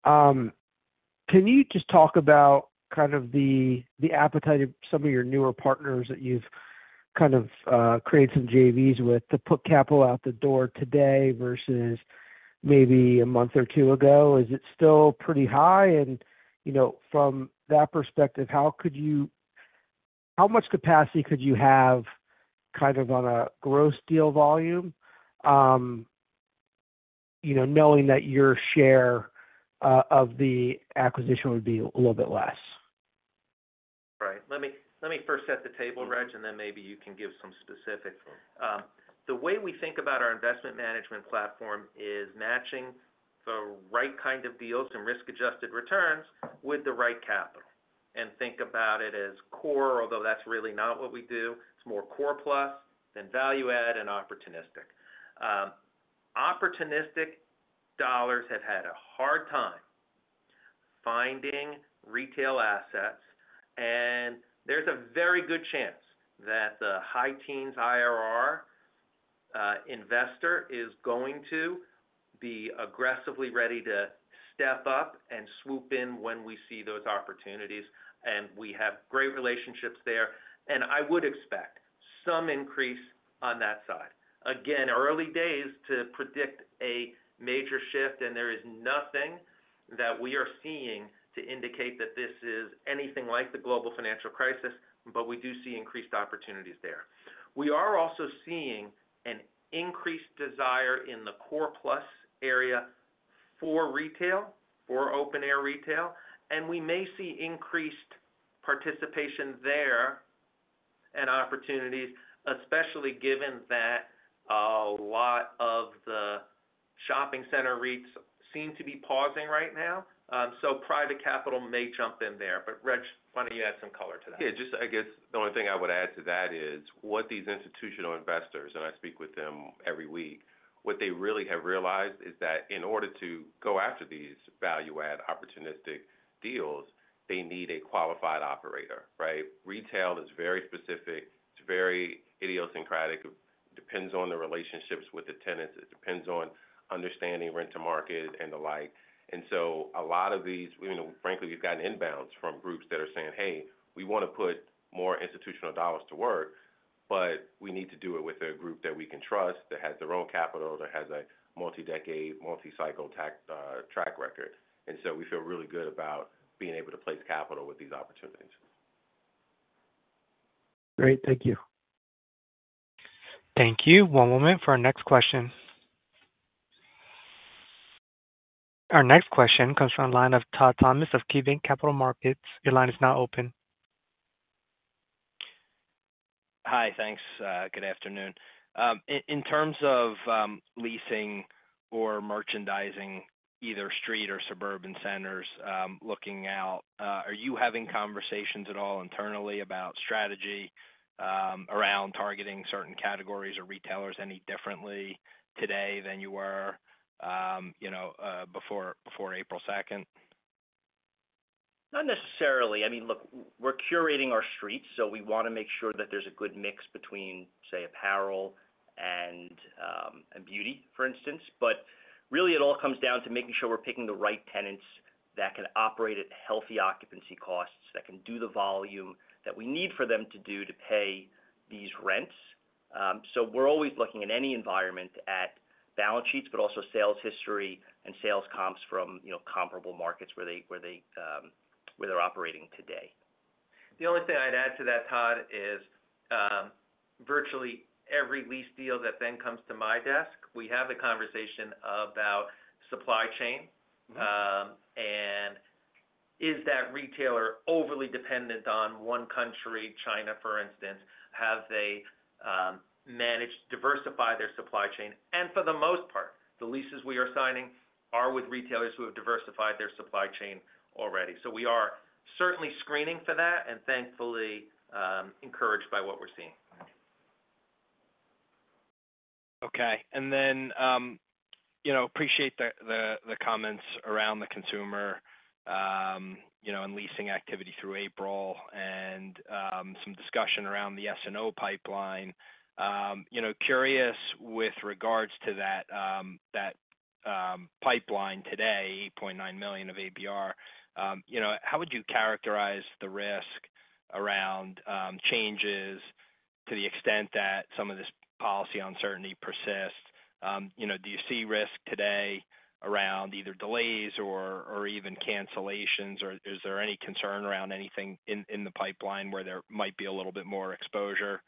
Can you just talk about kind of the appetite of some of your newer partners that you've kind of created some JVs with to put capital out the door today versus maybe a month or two ago? Is it still pretty high? From that perspective, how much capacity could you have kind of on a gross deal volume, knowing that your share of the acquisition would be a little bit less? Right. Let me first set the table, Reg, and then maybe you can give some specifics. The way we think about our Investment Management Platform is matching the right kind of deals and risk-adjusted returns with the right capital. Think about it as core, although that's really not what we do. It's more core plus than value-add and opportunistic. Opportunistic dollars have had a hard time finding retail assets. There is a very good chance that the high-teens IRR investor is going to be aggressively ready to step up and swoop in when we see those opportunities. We have great relationships there. I would expect some increase on that side. Again, early days to predict a major shift, and there is nothing that we are seeing to indicate that this is anything like the global financial crisis, but we do see increased opportunities there. We are also seeing an increased desire in the core plus area for retail, for open-air retail. We may see increased participation there and opportunities, especially given that a lot of the shopping center rates seem to be pausing right now. Private capital may jump in there. Reg, why don't you add some color to that? Yeah. Just I guess the only thing I would add to that is what these institutional investors—and I speak with them every week—what they really have realized is that in order to go after these value-add opportunistic deals, they need a qualified operator, right? Retail is very specific. It is very idiosyncratic. It depends on the relationships with the tenants. It depends on understanding rent-to-market and the like. A lot of these, frankly, we have gotten inbounds from groups that are saying, "Hey, we want to put more institutional dollars to work, but we need to do it with a group that we can trust, that has their own capital, that has a multi-decade, multi-cycle track record." We feel really good about being able to place capital with these opportunities. Great. Thank you. Thank you. One moment for our next question. Our next question comes from the line of Todd Thomas of KeyBanc Capital Markets. Your line is now open. Hi. Thanks. Good afternoon. In terms of leasing or merchandising either Street or Suburban Centers looking out, are you having conversations at all internally about strategy around targeting certain categories or retailers any differently today than you were before April 2nd? Not necessarily. I mean, look, we're curating our Streets, so we want to make sure that there's a good mix between, say, apparel and beauty, for instance. Really, it all comes down to making sure we're picking the right tenants that can operate at healthy occupancy costs, that can do the volume that we need for them to do to pay these rents. We're always looking in any environment at balance sheets, but also sales history and sales comps from comparable markets where they're operating today. The only thing I'd add to that, Todd, is virtually every lease deal that then comes to my desk, we have the conversation about supply chain. Is that retailer overly dependent on one country, China, for instance? Have they managed to diversify their supply chain? For the most part, the leases we are signing are with retailers who have diversified their supply chain already. We are certainly screening for that and thankfully encouraged by what we're seeing. Okay. Appreciate the comments around the consumer and Leasing Activity through April and some discussion around the SNO pipeline. Curious with regards to that pipeline today, $8.9 million of ABR. How would you characterize the risk around changes to the extent that some of this policy uncertainty persists? Do you see risk today around either delays or even cancellations, or is there any concern around anything in the pipeline where there might be a little bit more exposure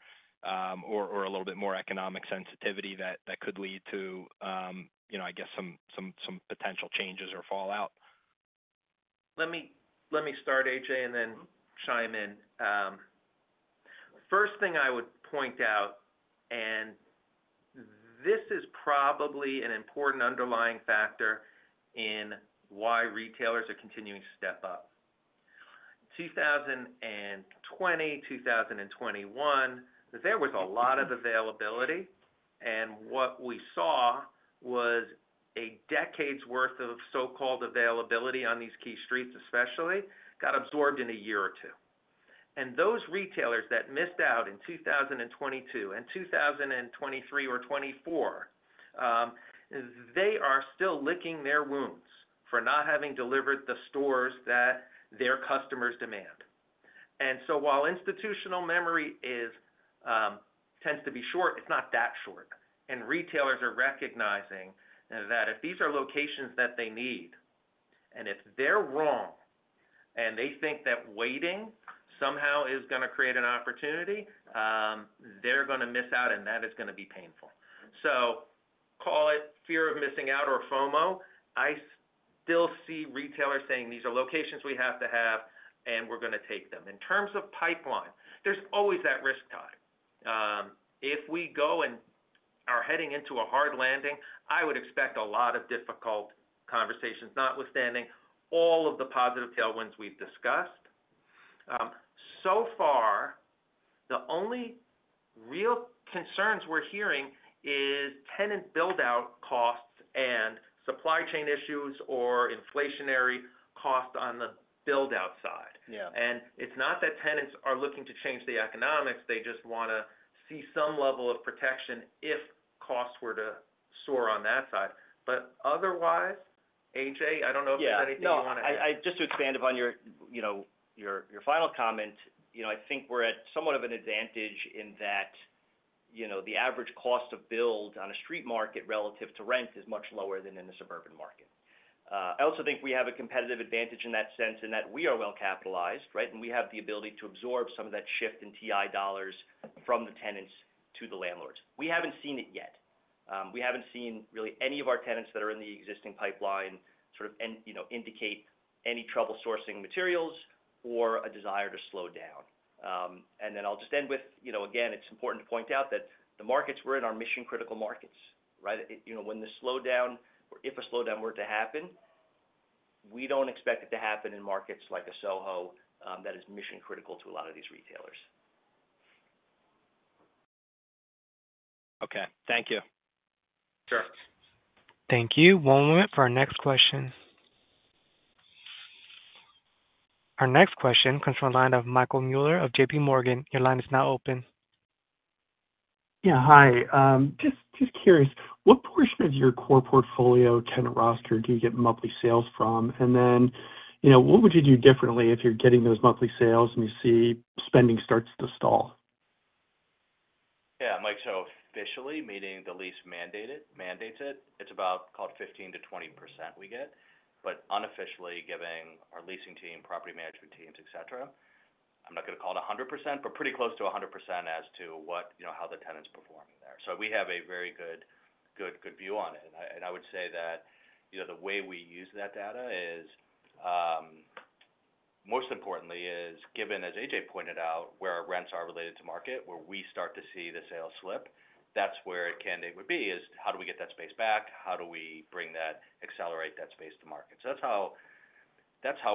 or a little bit more economic sensitivity that could lead to, I guess, some potential changes or fallout? Let me start, AJ, and then chime in. First thing I would point out, and this is probably an important underlying factor in why retailers are continuing to step up. 2020, 2021, there was a lot of availability. What we saw was a decade's worth of so-called availability on these key Streets, especially, got absorbed in a year or two. Those retailers that missed out in 2022 and 2023 or 2024, they are still licking their wounds for not having delivered the stores that their customers demand. While institutional memory tends to be short, it's not that short. Retailers are recognizing that if these are locations that they need, and if they're wrong and they think that waiting somehow is going to create an opportunity, they're going to miss out, and that is going to be painful. Call it fear of missing out or FOMO. I still see retailers saying, "These are locations we have to have, and we're going to take them." In terms of pipeline, there's always that risk, Todd. If we go and are heading into a hard landing, I would expect a lot of difficult conversations, notwithstanding all of the positive tailwinds we've discussed. So far, the only real concerns we're hearing is tenant buildout costs and supply chain issues or inflationary costs on the buildout side. It's not that tenants are looking to change the economics. They just want to see some level of protection if costs were to soar on that side. Otherwise, AJ, I don't know if there's anything you want to add. Yeah. Just to expand upon your final comment, I think we're at somewhat of an advantage in that the average cost of build on a Street Market relative to rent is much lower than in a Suburban Market. I also think we have a competitive advantage in that sense in that we are well-capitalized, right? We have the ability to absorb some of that shift in TI dollars from the tenants to the landlords. We haven't seen it yet. We haven't seen really any of our tenants that are in the existing pipeline sort of indicate any trouble sourcing materials or a desire to slow down. I'll just end with, again, it's important to point out that the markets we're in are mission-critical markets, right? When the slowdown, if a slowdown were to happen, we don't expect it to happen in markets like a SoHo that is mission-critical to a lot of these retailers. Okay. Thank you. Sure. Thank you. One moment for our next question. Our next question comes from the line of Michael Mueller of JPMorgan. Your line is now open. Yeah. Hi. Just curious, what portion of your core portfolio, tenant roster, do you get monthly sales from? And then what would you do differently if you're getting those monthly sales and you see spending starts to stall? Yeah. Like so, officially, meaning the lease mandates it, it's about called 15%-20% we get. But unofficially, giving our leasing team, property management teams, etc., I'm not going to call it 100%, but pretty close to 100% as to how the tenants perform there. We have a very good view on it. I would say that the way we use that data is, most importantly, is given, as AJ pointed out, where our rents are related to market, where we start to see the sales slip, that's where it candidate would be is, how do we get that space back? How do we bring that, accelerate that space to market? That's how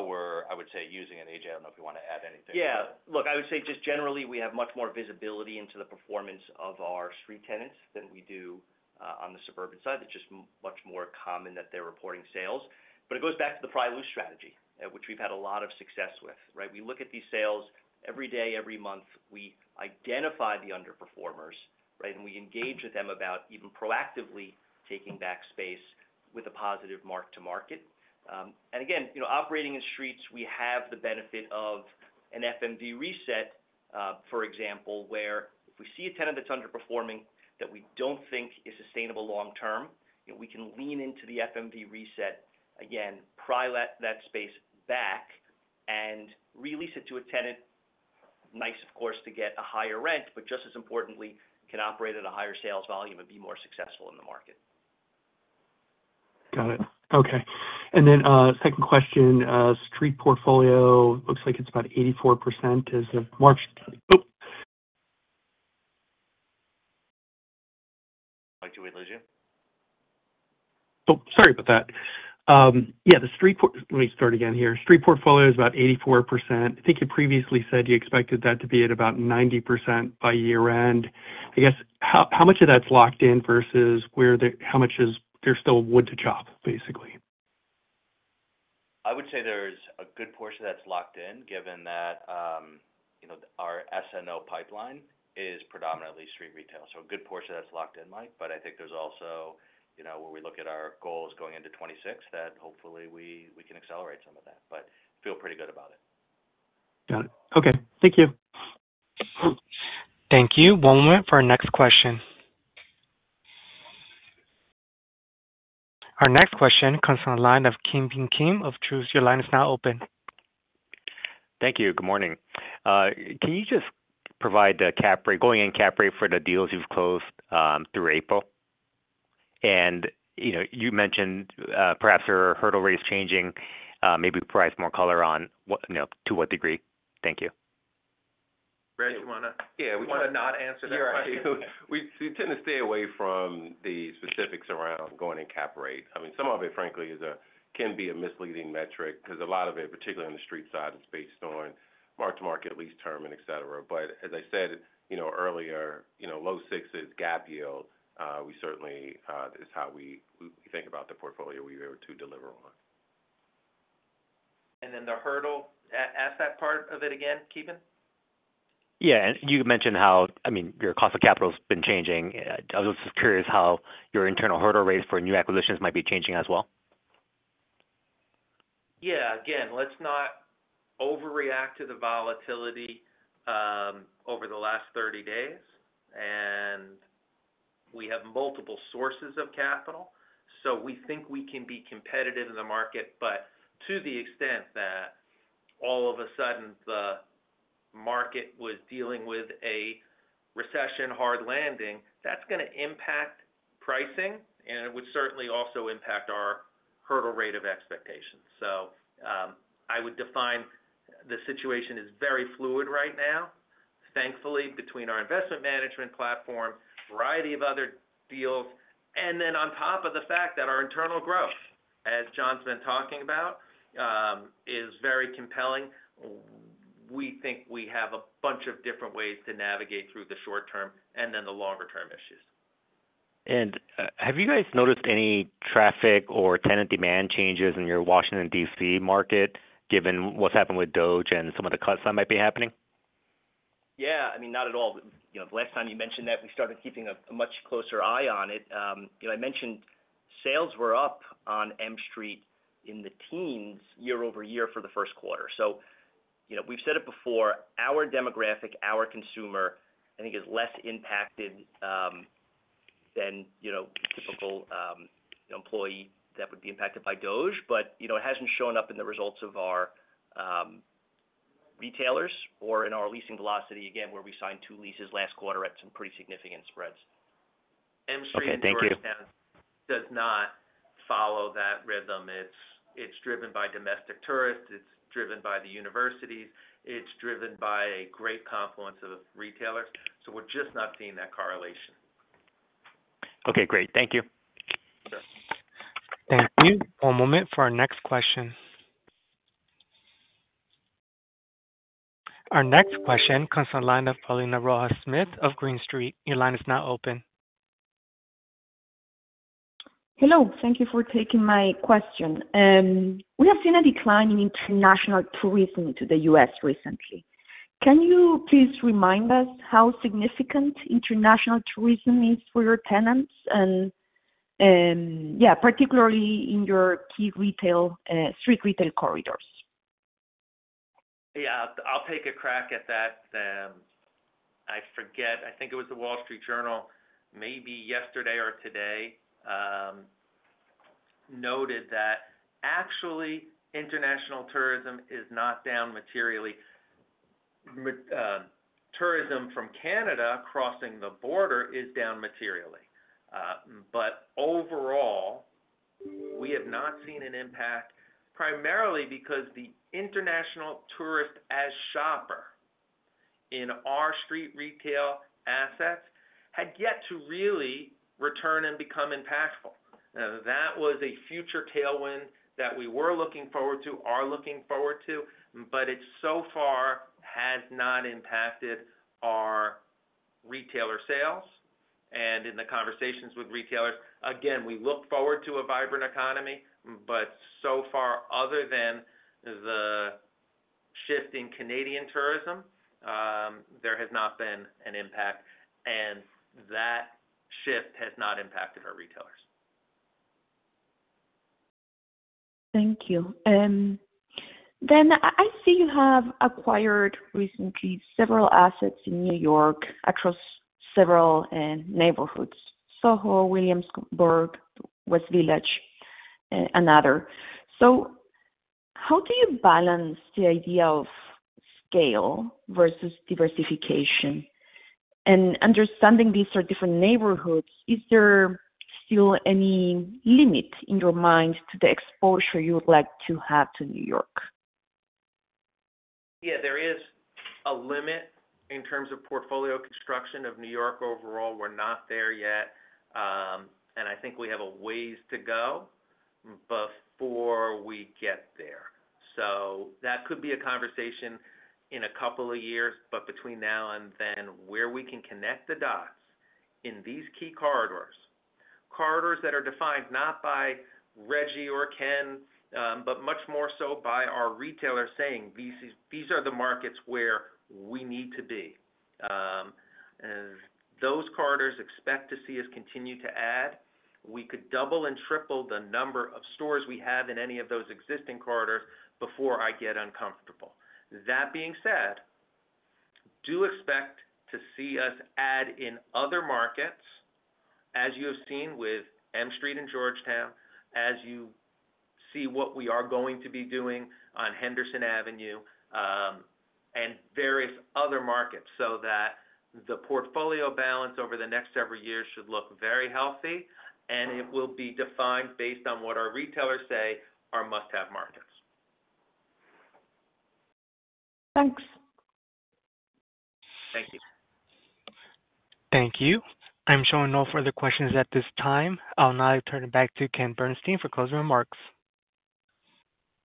we're, I would say, using it. AJ, I don't know if you want to add anything. Yeah. Look, I would say just generally, we have much more visibility into the performance of our Street Tenants than we do on the Suburban side. It's just much more common that they're reporting sales. It goes back to the prior Lease Strategy, which we've had a lot of success with, right? We look at these sales every day, every month. We identify the underperformers, right? We engage with them about even proactively taking back space with a positive mark-to-market. Operating in Streets, we have the benefit of an FMV reset, for example, where if we see a tenant that's underperforming that we don't think is sustainable long-term, we can lean into the FMV reset, again, pry that space back and release it to a tenant, nice, of course, to get a higher rent, but just as importantly, can operate at a higher sales volume and be more successful in the market. Got it. Okay. And then second question, Street Portfolio looks like it's about 84% as of March. Oh. Like to relieve you? Oh, sorry about that. Yeah. Let me start again here. Street Portfolio is about 84%. I think you previously said you expected that to be at about 90% by year-end. I guess how much of that's locked in versus how much is there still wood to chop, basically? I would say there is a good portion of that's locked in, given that our SNO pipeline is predominantly Street Retail. A good portion of that's locked in, Mike. I think there's also where we look at our goals going into 2026, that hopefully we can accelerate some of that. I feel pretty good about it. Got it. Okay. Thank you. Thank you. One moment for our next question. Our next question comes from the line of Ki Bin Kim of Truist. Your line is now open. Thank you. Good morning. Can you just provide a cap rate, going-in cap rate for the deals you've closed through April? You mentioned perhaps your hurdle rate is changing. Maybe provide some more color on to what degree. Thank you. Reg, you want to? Yeah, we want to not answer that question. Yeah. We tend to stay away from the specifics around going in cap rate. I mean, some of it, frankly, can be a misleading metric because a lot of it, particularly on the Street side, is based on mark-to-market, lease term, and etc. As I said earlier, low sixes gap yield, we certainly is how we think about the portfolio we were able to deliver on. Ask that part of it again, Keegan. Yeah. You mentioned how, I mean, your cost of capital has been changing. I was just curious how your internal hurdle rates for new acquisitions might be changing as well. Yeah. Again, let's not overreact to the volatility over the last 30 days. We have multiple sources of capital. We think we can be competitive in the market, but to the extent that all of a sudden the market was dealing with a recession hard landing, that's going to impact pricing, and it would certainly also impact our hurdle rate of expectations. I would define the situation as very fluid right now, thankfully, between our Investment Management Platform, a variety of other deals, and then on top of the fact that our internal growth, as John's been talking about, is very compelling. We think we have a bunch of different ways to navigate through the short-term and then the longer-term issues. Have you guys noticed any traffic or tenant demand changes in your Washington, DC market, given what's happened with DOGE and some of the cuts that might be happening? Yeah. I mean, not at all. The last time you mentioned that, we started keeping a much closer eye on it. I mentioned sales were up on M Street in the teens year-over-year for the first quarter. We have said it before, our demographic, our consumer, I think, is less impacted than typical employee that would be impacted by DOGE, but it has not shown up in the results of our retailers or in our leasing velocity, again, where we signed two leases last quarter at some pretty significant spreads. M Street in Georgetown does not follow that rhythm. It's driven by domestic tourists. It's driven by the universities. It's driven by a great confluence of retailers. We are just not seeing that correlation. Okay. Great. Thank you. Sure. Thank you. One moment for our next question. Our next question comes from the line of Paulina Rojas Schmidt of Green Street. Your line is now open. Hello. Thank you for taking my question. We have seen a decline in international tourism to the U.S. recently. Can you please remind us how significant international tourism is for your tenants? Yeah, particularly in your key retail Street Retail corridors. Yeah. I'll take a crack at that. I forget. I think it was the Wall Street Journal, maybe yesterday or today, noted that actually international tourism is not down materially. Tourism from Canada crossing the border is down materially. Overall, we have not seen an impact, primarily because the international tourist as shopper in our Street Retail assets had yet to really return and become impactful. That was a future tailwind that we were looking forward to, are looking forward to, but it so far has not impacted our retailer sales. In the conversations with retailers, again, we look forward to a vibrant economy, but so far, other than the shift in Canadian tourism, there has not been an impact. That shift has not impacted our retailers. Thank you. I see you have acquired recently several assets in New York across several neighborhoods: SoHo, Williamsburg, West Village, and other. How do you balance the idea of scale versus diversification? Understanding these are different neighborhoods, is there still any limit in your mind to the exposure you would like to have to New York? Yeah. There is a limit in terms of portfolio construction of New York overall. We're not there yet. I think we have a ways to go before we get there. That could be a conversation in a couple of years. Between now and then, where we can connect the dots in these key corridors, corridors that are defined not by Reggie or Ken, but much more so by our retailers saying, "These are the markets where we need to be." Those corridors expect to see us continue to add. We could double and triple the number of stores we have in any of those existing corridors before I get uncomfortable. That being said, do expect to see us add in other markets, as you have seen with M Street in Georgetown, as you see what we are going to be doing on Henderson Avenue and various other markets, so the portfolio balance over the next several years should look very healthy. It will be defined based on what our retailers say are must-have markets. Thanks. Thank you. Thank you. I'm showing no further questions at this time. I'll now turn it back to Ken Bernstein for closing remarks.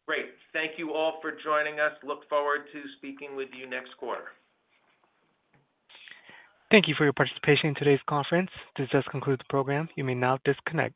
Great. Thank you all for joining us. Look forward to speaking with you next quarter. Thank you for your participation in today's conference. This does conclude the program. You may now disconnect.